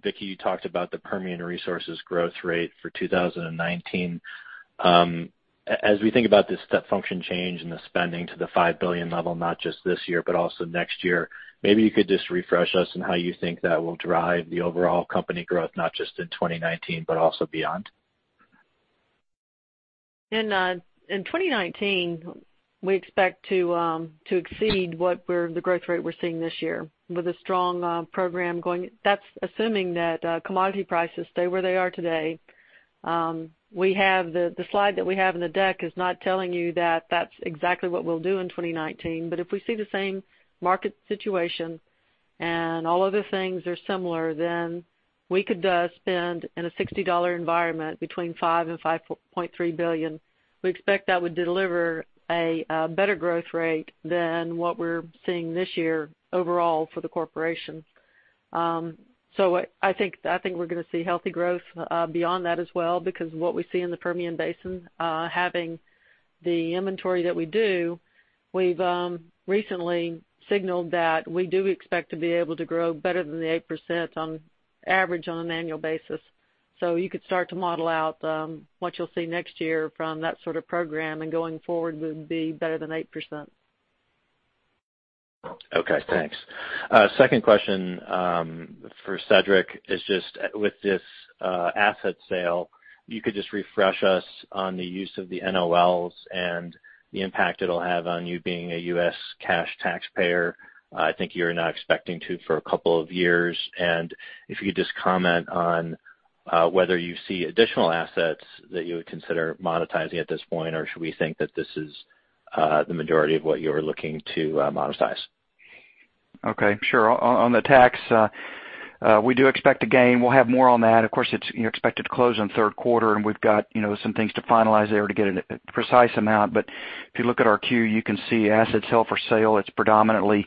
Vicki, you talked about the Permian Resources growth rate for 2019. We think about the step function change in the spending to the $5 billion level, not just this year, but also next year, maybe you could just refresh us on how you think that will drive the overall company growth, not just in 2019, but also beyond. In 2019, we expect to exceed the growth rate we're seeing this year with a strong program going. That's assuming that commodity prices stay where they are today. The slide that we have in the deck is not telling you that that's exactly what we'll do in 2019. If we see the same market situation and all of the things are similar, we could spend in a $60 environment between $5 billion and $5.3 billion. We expect that would deliver a better growth rate than what we're seeing this year overall for the Corporation. I think we're going to see healthy growth beyond that as well because what we see in the Permian Basin, having the inventory that we do, we've recently signaled that we do expect to be able to grow better than the 8% on average on an annual basis. You could start to model out what you'll see next year from that sort of program, going forward would be better than 8%. Okay, thanks. Second question for Cedric is just with this asset sale, you could just refresh us on the use of the NOLs and the impact it'll have on you being a U.S. cash taxpayer. I think you're not expecting to for a couple of years. If you could just comment on whether you see additional assets that you would consider monetizing at this point, or should we think that this is the majority of what you're looking to monetize? Okay, sure. On the tax, we do expect a gain. We'll have more on that. Of course, it's expected to close in the third quarter, we've got some things to finalize there to get a precise amount. If you look at our Q, you can see assets held for sale. It's predominantly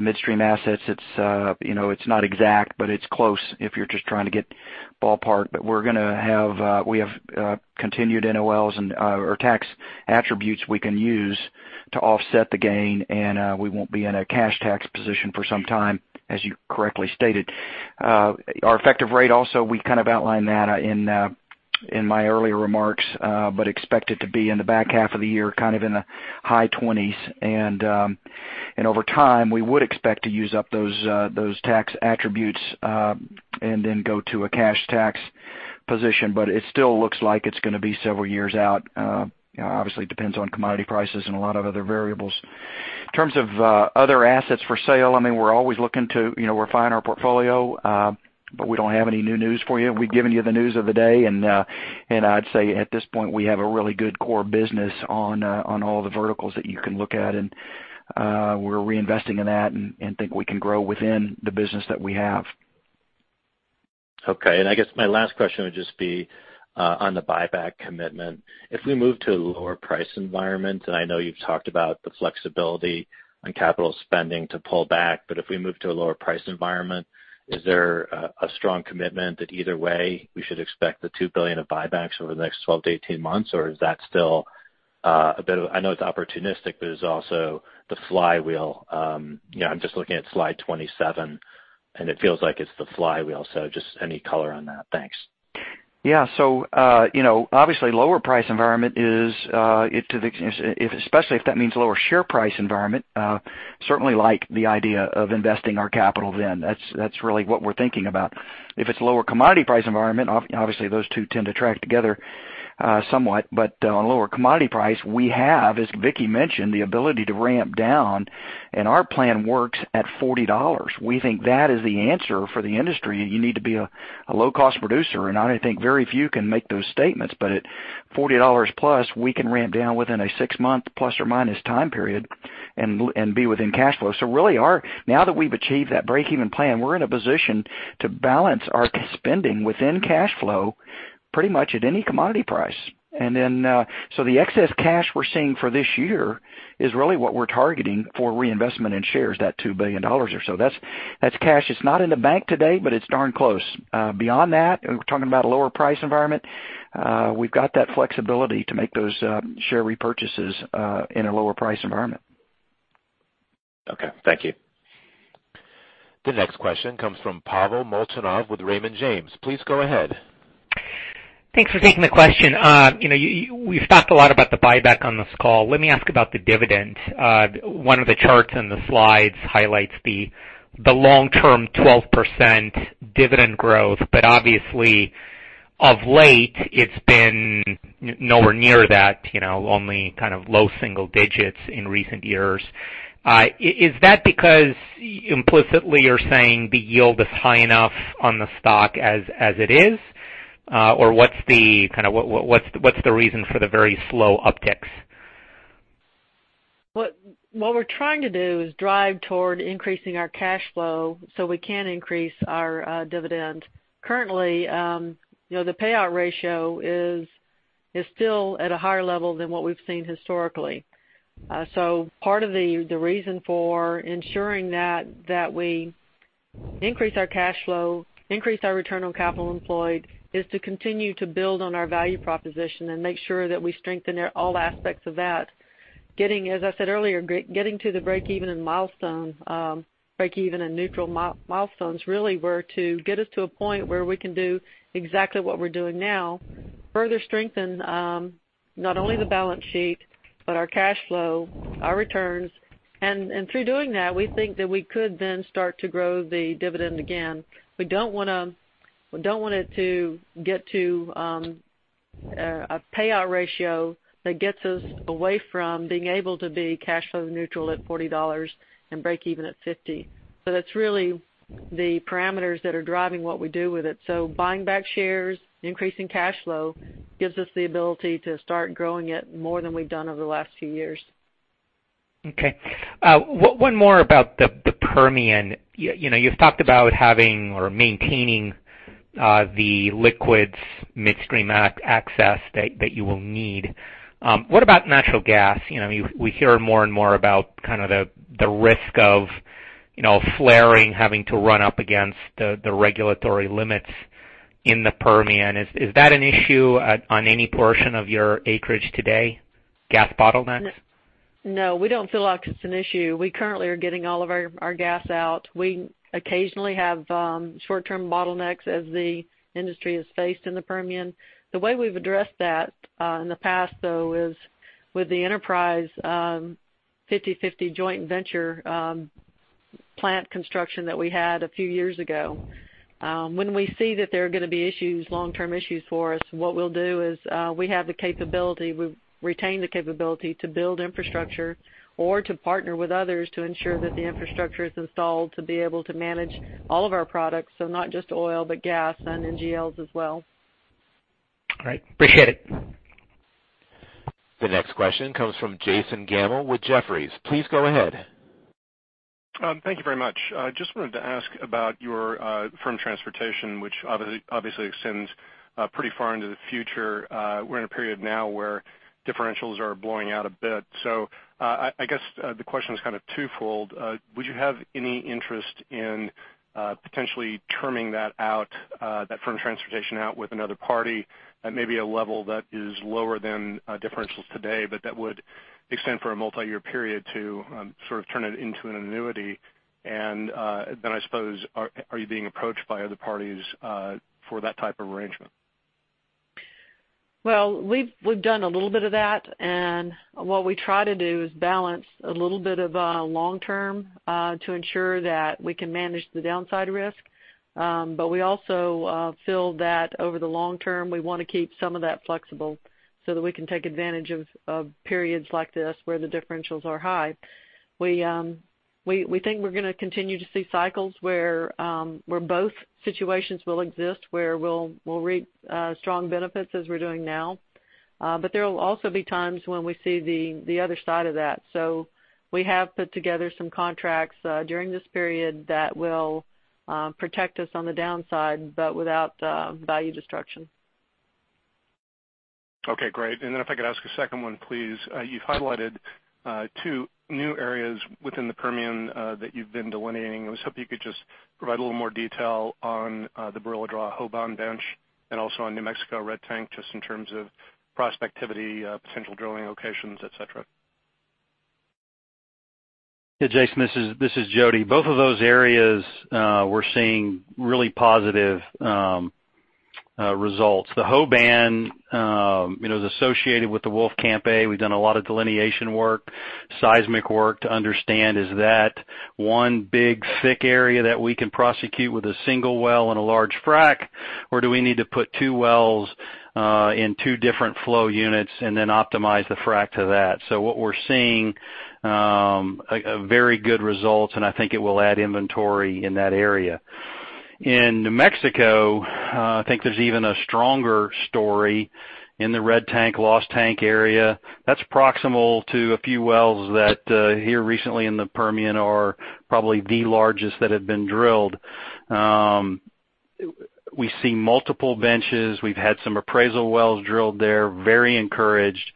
the midstream assets. It's not exact, but it's close if you're just trying to get ballpark. We have continued NOLs or tax attributes we can use to offset the gain, and we won't be in a cash tax position for some time, as you correctly stated. Our effective rate also, we kind of outlined that in my earlier remarks, but expect it to be in the back half of the year, kind of in the high twenties. Over time, we would expect to use up those tax attributes, then go to a cash tax position. It still looks like it's going to be several years out. Obviously, it depends on commodity prices and a lot of other variables. In terms of other assets for sale, we're always looking to refine our portfolio. We don't have any new news for you. We've given you the news of the day, I'd say at this point, we have a really good core business on all the verticals that you can look at, and we're reinvesting in that and think we can grow within the business that we have. Okay. I guess my last question would just be on the buyback commitment. If we move to a lower price environment, and I know you've talked about the flexibility on capital spending to pull back, if we move to a lower price environment, is there a strong commitment that either way we should expect the $2 billion of buybacks over the next 12 to 18 months? Is that still a bit of I know it's opportunistic, but it's also the flywheel. I'm just looking at slide 27, and it feels like it's the flywheel. Just any color on that. Thanks. Yeah. Obviously lower price environment is, especially if that means lower share price environment, certainly like the idea of investing our capital then. That's really what we're thinking about. If it's lower commodity price environment, obviously those two tend to track together somewhat, on lower commodity price, we have, as Vicki mentioned, the ability to ramp down, Our plan works at $40. We think that is the answer for the industry. You need to be a low-cost producer, I think very few can make those statements. At $40 plus, we can ramp down within a six-month plus or minus time period and be within cash flow. Really now that we've achieved that breakeven plan, we're in a position to balance our spending within cash flow pretty much at any commodity price. The excess cash we're seeing for this year is really what we're targeting for reinvestment in shares, that $2 billion or so. That's cash that's not in the bank today, It's darn close. Beyond that, we're talking about a lower price environment. We've got that flexibility to make those share repurchases in a lower price environment. Okay. Thank you. The next question comes from Pavel Molchanov with Raymond James. Please go ahead. Thanks for taking the question. You've talked a lot about the buyback on this call. Let me ask about the dividend. One of the charts in the slides highlights the long-term 12% dividend growth. Obviously of late it's been nowhere near that, only kind of low single digits in recent years. Is that because implicitly you're saying the yield is high enough on the stock as it is? What's the reason for the very slow upticks? What we're trying to do is drive toward increasing our cash flow so we can increase our dividend. Currently, the payout ratio is still at a higher level than what we've seen historically. Part of the reason for ensuring that we increase our cash flow, increase our return on capital employed, is to continue to build on our value proposition and make sure that we strengthen all aspects of that. As I said earlier, getting to the breakeven and neutral milestones really were to get us to a point where we can do exactly what we're doing now, further strengthen not only the balance sheet, but our cash flow, our returns. Through doing that, we think that we could then start to grow the dividend again. We don't want it to get to a payout ratio that gets us away from being able to be cash flow neutral at $40 and breakeven at $50. That's really the parameters that are driving what we do with it. Buying back shares, increasing cash flow gives us the ability to start growing it more than we've done over the last few years. Okay. One more about the Permian. You've talked about having or maintaining the liquids midstream access that you will need. What about natural gas? We hear more and more about kind of the risk of flaring having to run up against the regulatory limits in the Permian. Is that an issue on any portion of your acreage today? Gas bottlenecks? No, we don't feel like it's an issue. We currently are getting all of our gas out. We occasionally have short-term bottlenecks as the industry has faced in the Permian. The way we've addressed that in the past, though, is with the Enterprise 50/50 joint venture plant construction that we had a few years ago. When we see that there are going to be long-term issues for us, what we'll do is, we have the capability, we've retained the capability to build infrastructure or to partner with others to ensure that the infrastructure is installed to be able to manage all of our products, so not just oil, but gas and NGLs as well. Great. Appreciate it. The next question comes from Jason Gammel with Jefferies. Please go ahead. Thank you very much. Just wanted to ask about your firm transportation, which obviously extends pretty far into the future. We're in a period now where differentials are blowing out a bit. I guess the question is twofold. Would you have any interest in potentially terming that firm transportation out with another party at maybe a level that is lower than differentials today, but that would extend for a multi-year period to sort of turn it into an annuity? I suppose, are you being approached by other parties for that type of arrangement? Well, we've done a little bit of that. What we try to do is balance a little bit of long-term to ensure that we can manage the downside risk. We also feel that over the long term, we want to keep some of that flexible so that we can take advantage of periods like this where the differentials are high. We think we're going to continue to see cycles where both situations will exist, where we'll reap strong benefits as we're doing now. There will also be times when we see the other side of that. We have put together some contracts during this period that will protect us on the downside, but without value destruction. Okay, great. If I could ask a second one, please. You've highlighted two new areas within the Permian that you've been delineating. I was hoping you could just provide a little more detail on the Barilla Draw/Hoban Bench and also on New Mexico Red Tank, just in terms of prospectivity, potential drilling locations, et cetera. Yeah, Jason, this is Jody. Both of those areas we're seeing really positive results. The Hoban is associated with the Wolfcamp A. We've done a lot of delineation work, seismic work to understand, is that one big thick area that we can prosecute with a single well and a large frack, or do we need to put two wells in two different flow units and then optimize the frack to that? What we're seeing, very good results, and I think it will add inventory in that area. In New Mexico, I think there's even a stronger story in the Red Tank, Lost Tank area. That's proximal to a few wells that here recently in the Permian are probably the largest that have been drilled. We see multiple benches. We've had some appraisal wells drilled there. Very encouraged,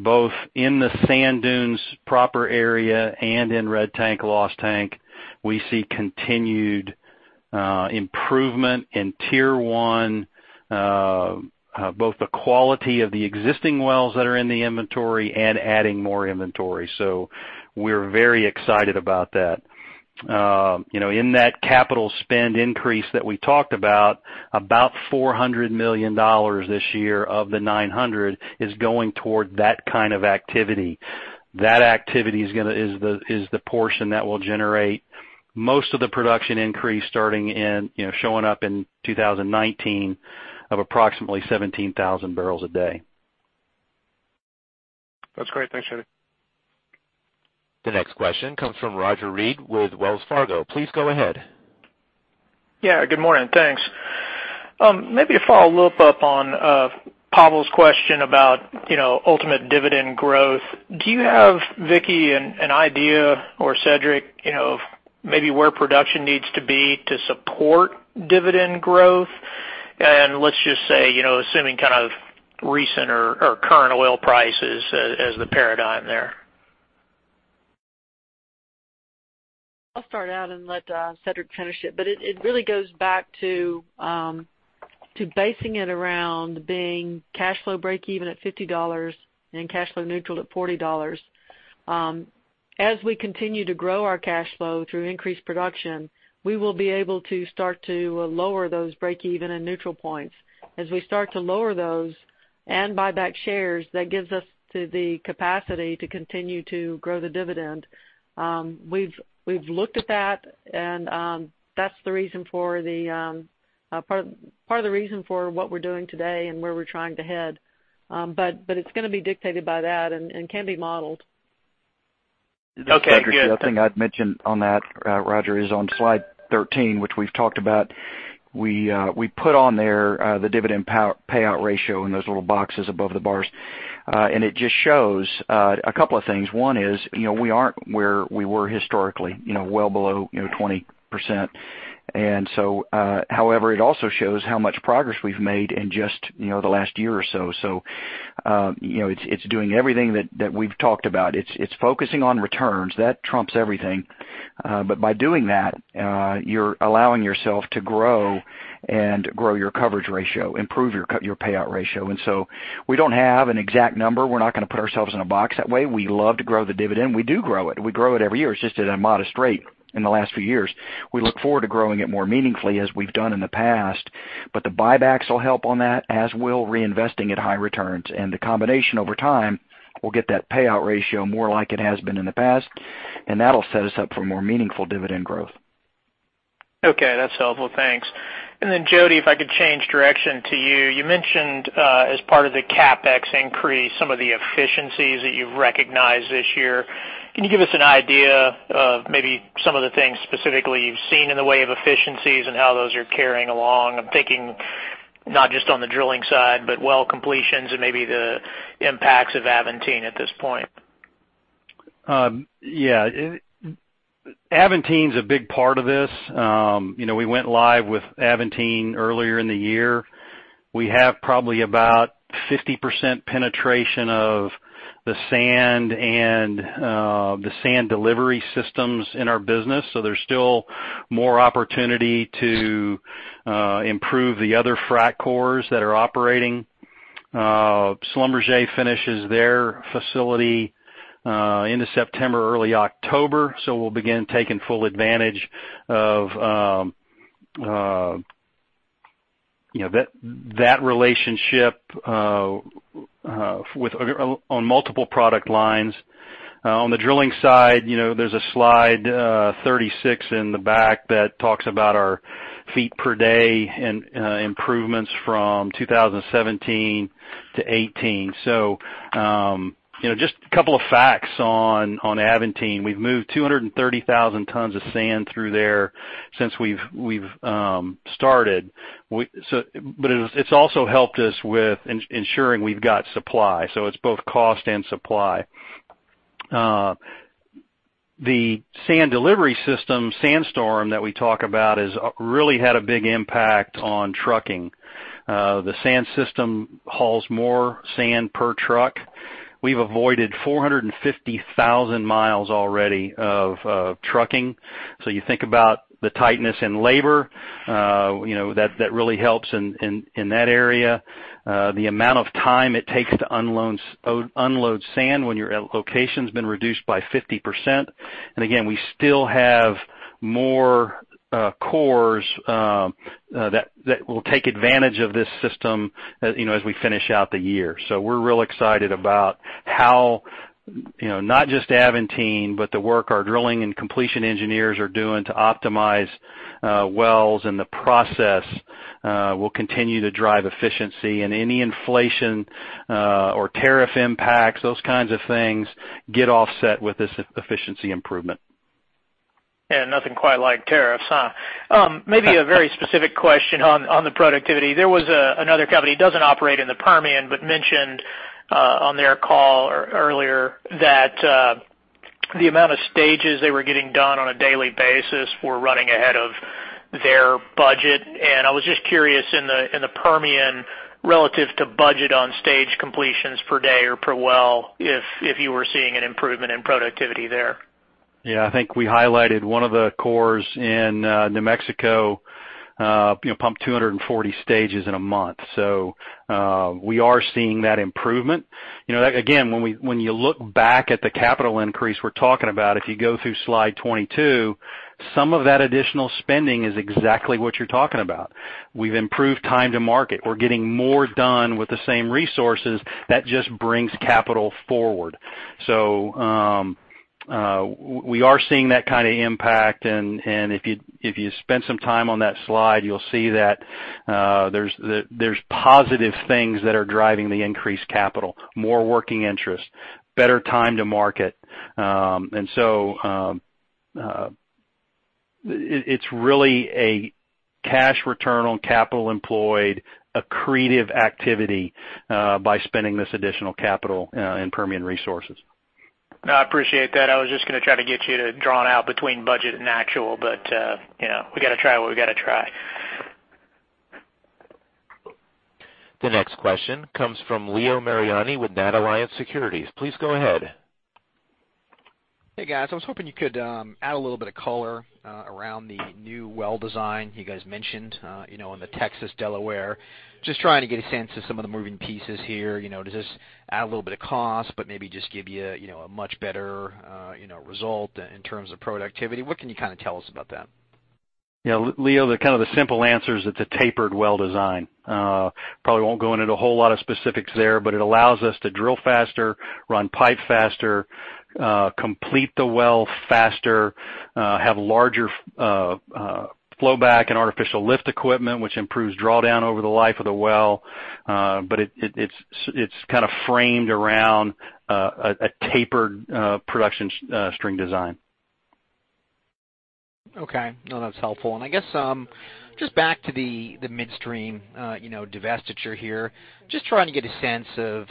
both in the Sand Dunes proper area and in Red Tank, Lost Tank. We see continued improvement in tier 1, both the quality of the existing wells that are in the inventory and adding more inventory. We're very excited about that. In that capital spend increase that we talked about $400 million this year of the $900 million is going toward that kind of activity. That activity is the portion that will generate most of the production increase showing up in 2019 of approximately 17,000 barrels a day. That's great. Thanks, Jody. The next question comes from Roger Read with Wells Fargo. Please go ahead. Good morning. Thanks. Maybe a follow-up on Pavel's question about ultimate dividend growth. Do you have, Vicki, an idea, or Cedric, of maybe where production needs to be to support dividend growth? Let's just say, assuming kind of recent or current oil prices as the paradigm there. I'll start out and let Cedric finish it. It really goes back to basing it around being cash flow breakeven at $50 and cash flow neutral at $40. As we continue to grow our cash flow through increased production, we will be able to start to lower those breakeven and neutral points. As we start to lower those and buy back shares, that gives us the capacity to continue to grow the dividend. We've looked at that, and that's part of the reason for what we're doing today and where we're trying to head. It's going to be dictated by that and can be modeled. Okay, good. This is Cedric. The other thing I'd mention on that, Roger, is on slide 13, which we've talked about. We put on there the dividend payout ratio in those little boxes above the bars. It just shows a couple of things. One is, we aren't where we were historically, well below 20%. However, it also shows how much progress we've made in just the last year or so. It's doing everything that we've talked about. It's focusing on returns. That trumps everything. By doing that, you're allowing yourself to grow and grow your coverage ratio, improve your payout ratio. We don't have an exact number. We're not going to put ourselves in a box that way. We love to grow the dividend. We do grow it. We grow it every year. It's just at a modest rate in the last few years. We look forward to growing it more meaningfully as we've done in the past. The buybacks will help on that, as will reinvesting at high returns. The combination over time will get that payout ratio more like it has been in the past, and that'll set us up for more meaningful dividend growth. Okay, that's helpful. Thanks. Jody, if I could change direction to you. You mentioned, as part of the CapEx increase, some of the efficiencies that you've recognized this year. Can you give us an idea of maybe some of the things specifically you've seen in the way of efficiencies and how those are carrying along? I'm thinking not just on the drilling side, but well completions and maybe the impacts of Aventine at this point. Yeah. Aventine's a big part of this. We went live with Aventine earlier in the year. We have probably about 50% penetration of the sand and the sand delivery systems in our business. There's still more opportunity to improve the other frac crews that are operating. Schlumberger finishes their facility end of September, early October, we'll begin taking full advantage of that relationship on multiple product lines. On the drilling side, there's a slide 36 in the back that talks about our feet per day and improvements from 2017 to 2018. Just a couple of facts on Aventine. We've moved 230,000 tons of sand through there since we've started. It's also helped us with ensuring we've got supply. It's both cost and supply. The sand delivery system, Sandstorm, that we talk about has really had a big impact on trucking. The sand system hauls more sand per truck. We've avoided 450,000 miles already of trucking. You think about the tightness in labor, that really helps in that area. The amount of time it takes to unload sand when you're at location's been reduced by 50%. Again, we still have more crews that will take advantage of this system as we finish out the year. We're real excited about how, not just Aventine, but the work our drilling and completion engineers are doing to optimize wells and the process will continue to drive efficiency. Any inflation or tariff impacts, those kinds of things get offset with this efficiency improvement. Yeah, nothing quite like tariffs, huh? Maybe a very specific question on the productivity. There was another company, doesn't operate in the Permian, but mentioned on their call earlier that the amount of stages they were getting done on a daily basis were running ahead of their budget. I was just curious, in the Permian, relative to budget on stage completions per day or per well, if you were seeing an improvement in productivity there. Yeah. I think we highlighted one of the crewa in New Mexico pumped 240 stages in a month. We are seeing that improvement. Again, when you look back at the capital increase we're talking about, if you go through slide 22, some of that additional spending is exactly what you're talking about. We've improved time to market. We're getting more done with the same resources. That just brings capital forward. We are seeing that kind of impact, and if you spend some time on that slide, you'll see that there's positive things that are driving the increased capital, more working interest, better time to market. It's really a cash return on capital employed, accretive activity, by spending this additional capital in Permian Resources. No, I appreciate that. I was just going to try to get you to draw it out between budget and actual, we got to try what we got to try. The next question comes from Leo Mariani with NatAlliance Securities. Please go ahead. Hey, guys. I was hoping you could add a little bit of color around the new well design you guys mentioned, on the Texas Delaware. Just trying to get a sense of some of the moving pieces here. Does this add a little bit of cost, but maybe just give you a much better result in terms of productivity? What can you tell us about that? Yeah, Leo, the simple answer is it's a tapered well design. Probably won't go into a whole lot of specifics there, but it allows us to drill faster, run pipe faster, complete the well faster, have larger flow back and artificial lift equipment, which improves drawdown over the life of the well. It's kind of framed around a tapered production string design. Okay. No, that's helpful. I guess, just back to the midstream divestiture here. Just trying to get a sense of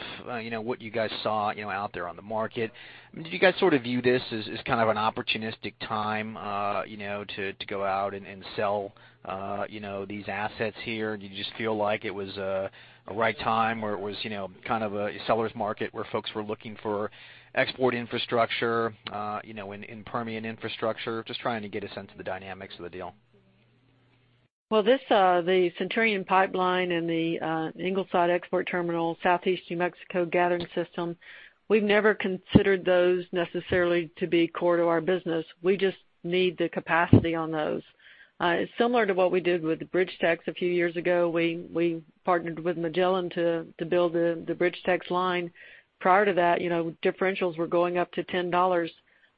what you guys saw out there on the market. Did you guys sort of view this as kind of an opportunistic time to go out and sell these assets here? Do you just feel like it was a right time, or it was kind of a seller's market where folks were looking for export infrastructure, and Permian infrastructure? Just trying to get a sense of the dynamics of the deal. Well, the Centurion Pipeline and the Ingleside Export Terminal, Southeast New Mexico Gathering System, we've never considered those necessarily to be core to our business. We just need the capacity on those. It's similar to what we did with the BridgeTex a few years ago. We partnered with Magellan to build the BridgeTex line. Prior to that, differentials were going up to $10.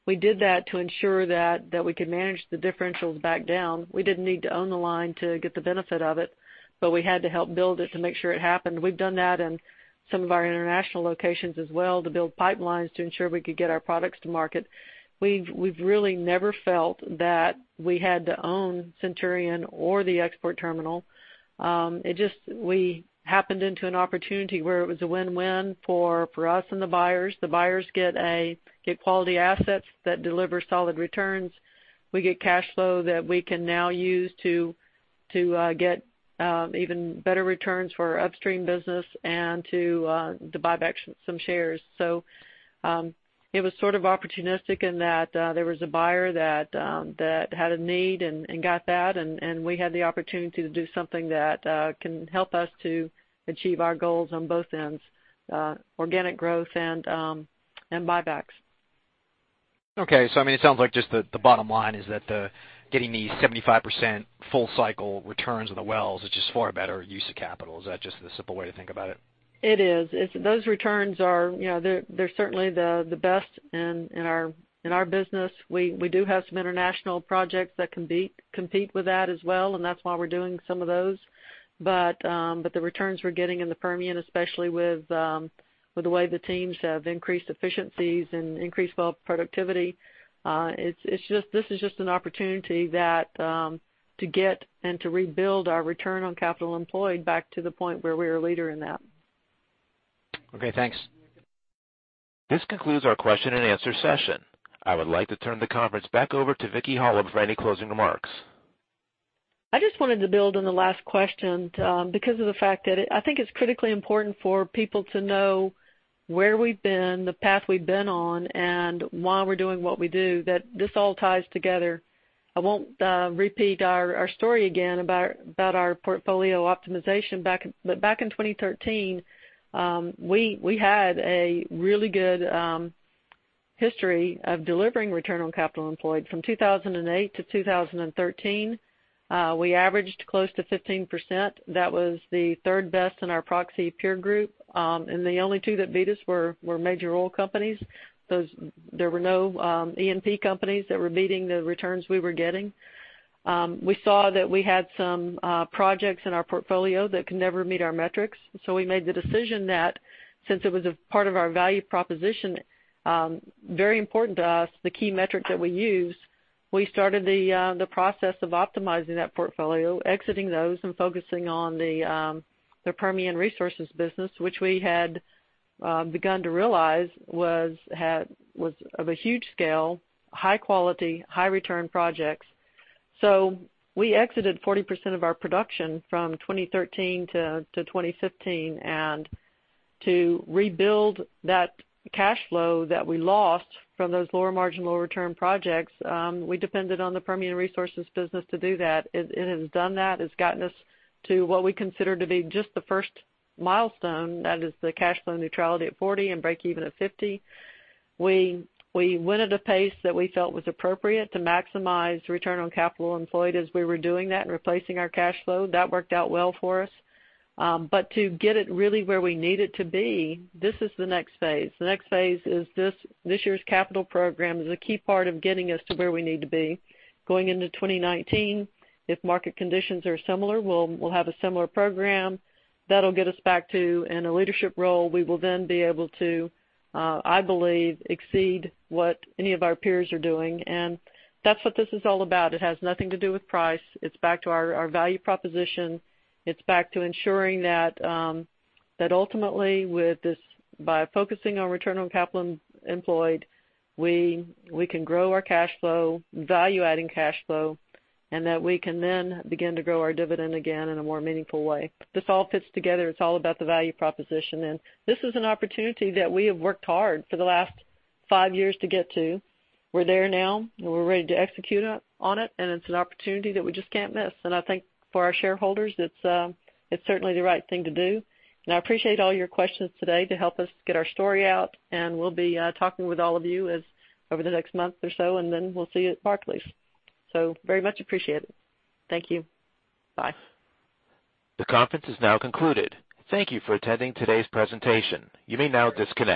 We did that to ensure that we could manage the differentials back down. We didn't need to own the line to get the benefit of it, but we had to help build it to make sure it happened. We've done that in some of our international locations as well, to build pipelines to ensure we could get our products to market. We've really never felt that we had to own Centurion or the export terminal. We happened into an opportunity where it was a win-win for us and the buyers. The buyers get quality assets that deliver solid returns. We get cash flow that we can now use to get even better returns for our upstream business and to buy back some shares. It was sort of opportunistic in that there was a buyer that had a need and got that, and we had the opportunity to do something that can help us to achieve our goals on both ends, organic growth and buybacks. Okay. It sounds like just the bottom line is that getting the 75% full cycle returns on the wells is just far better use of capital. Is that just the simple way to think about it? It is. Those returns are certainly the best in our business. We do have some international projects that can compete with that as well, and that's why we're doing some of those. The returns we're getting in the Permian, especially with the way the teams have increased efficiencies and increased well productivity, this is just an opportunity to get and to rebuild our return on capital employed back to the point where we're a leader in that. Okay, thanks. This concludes our question and answer session. I would like to turn the conference back over to Vicki Hollub for any closing remarks. I just wanted to build on the last question because of the fact that I think it's critically important for people to know where we've been, the path we've been on, and why we're doing what we do, that this all ties together. I won't repeat our story again about our portfolio optimization. Back in 2013, we had a really good history of delivering return on capital employed. From 2008 to 2013, we averaged close to 15%. That was the third best in our proxy peer group, and the only two that beat us were major oil companies. There were no E&P companies that were beating the returns we were getting. We saw that we had some projects in our portfolio that could never meet our metrics. We made the decision that since it was a part of our value proposition, very important to us, the key metric that we use, we started the process of optimizing that portfolio, exiting those, and focusing on the Permian Resources business, which we had begun to realize was of a huge scale, high quality, high return projects. We exited 40% of our production from 2013 to 2015, and to rebuild that cash flow that we lost from those lower margin, lower return projects, we depended on the Permian Resources business to do that. It has done that. It's gotten us to what we consider to be just the first milestone, that is the cash flow neutrality at 40 and breakeven at 50. We went at a pace that we felt was appropriate to maximize return on capital employed as we were doing that and replacing our cash flow. That worked out well for us. To get it really where we need it to be, this is the next phase. The next phase is this year's capital program is a key part of getting us to where we need to be. Going into 2019, if market conditions are similar, we'll have a similar program. That'll get us back to in a leadership role. We will then be able to, I believe, exceed what any of our peers are doing. That's what this is all about. It has nothing to do with price. It's back to our value proposition. It's back to ensuring that ultimately by focusing on return on capital employed, we can grow our cash flow, value-adding cash flow, and that we can then begin to grow our dividend again in a more meaningful way. This all fits together. It's all about the value proposition. This is an opportunity that we have worked hard for the last five years to get to. We're there now and we're ready to execute on it, and it's an opportunity that we just can't miss. I think for our shareholders, it's certainly the right thing to do. I appreciate all your questions today to help us get our story out, and we'll be talking with all of you over the next month or so, and then we'll see you at Barclays. Very much appreciated. Thank you. Bye. The conference is now concluded. Thank you for attending today's presentation. You may now disconnect.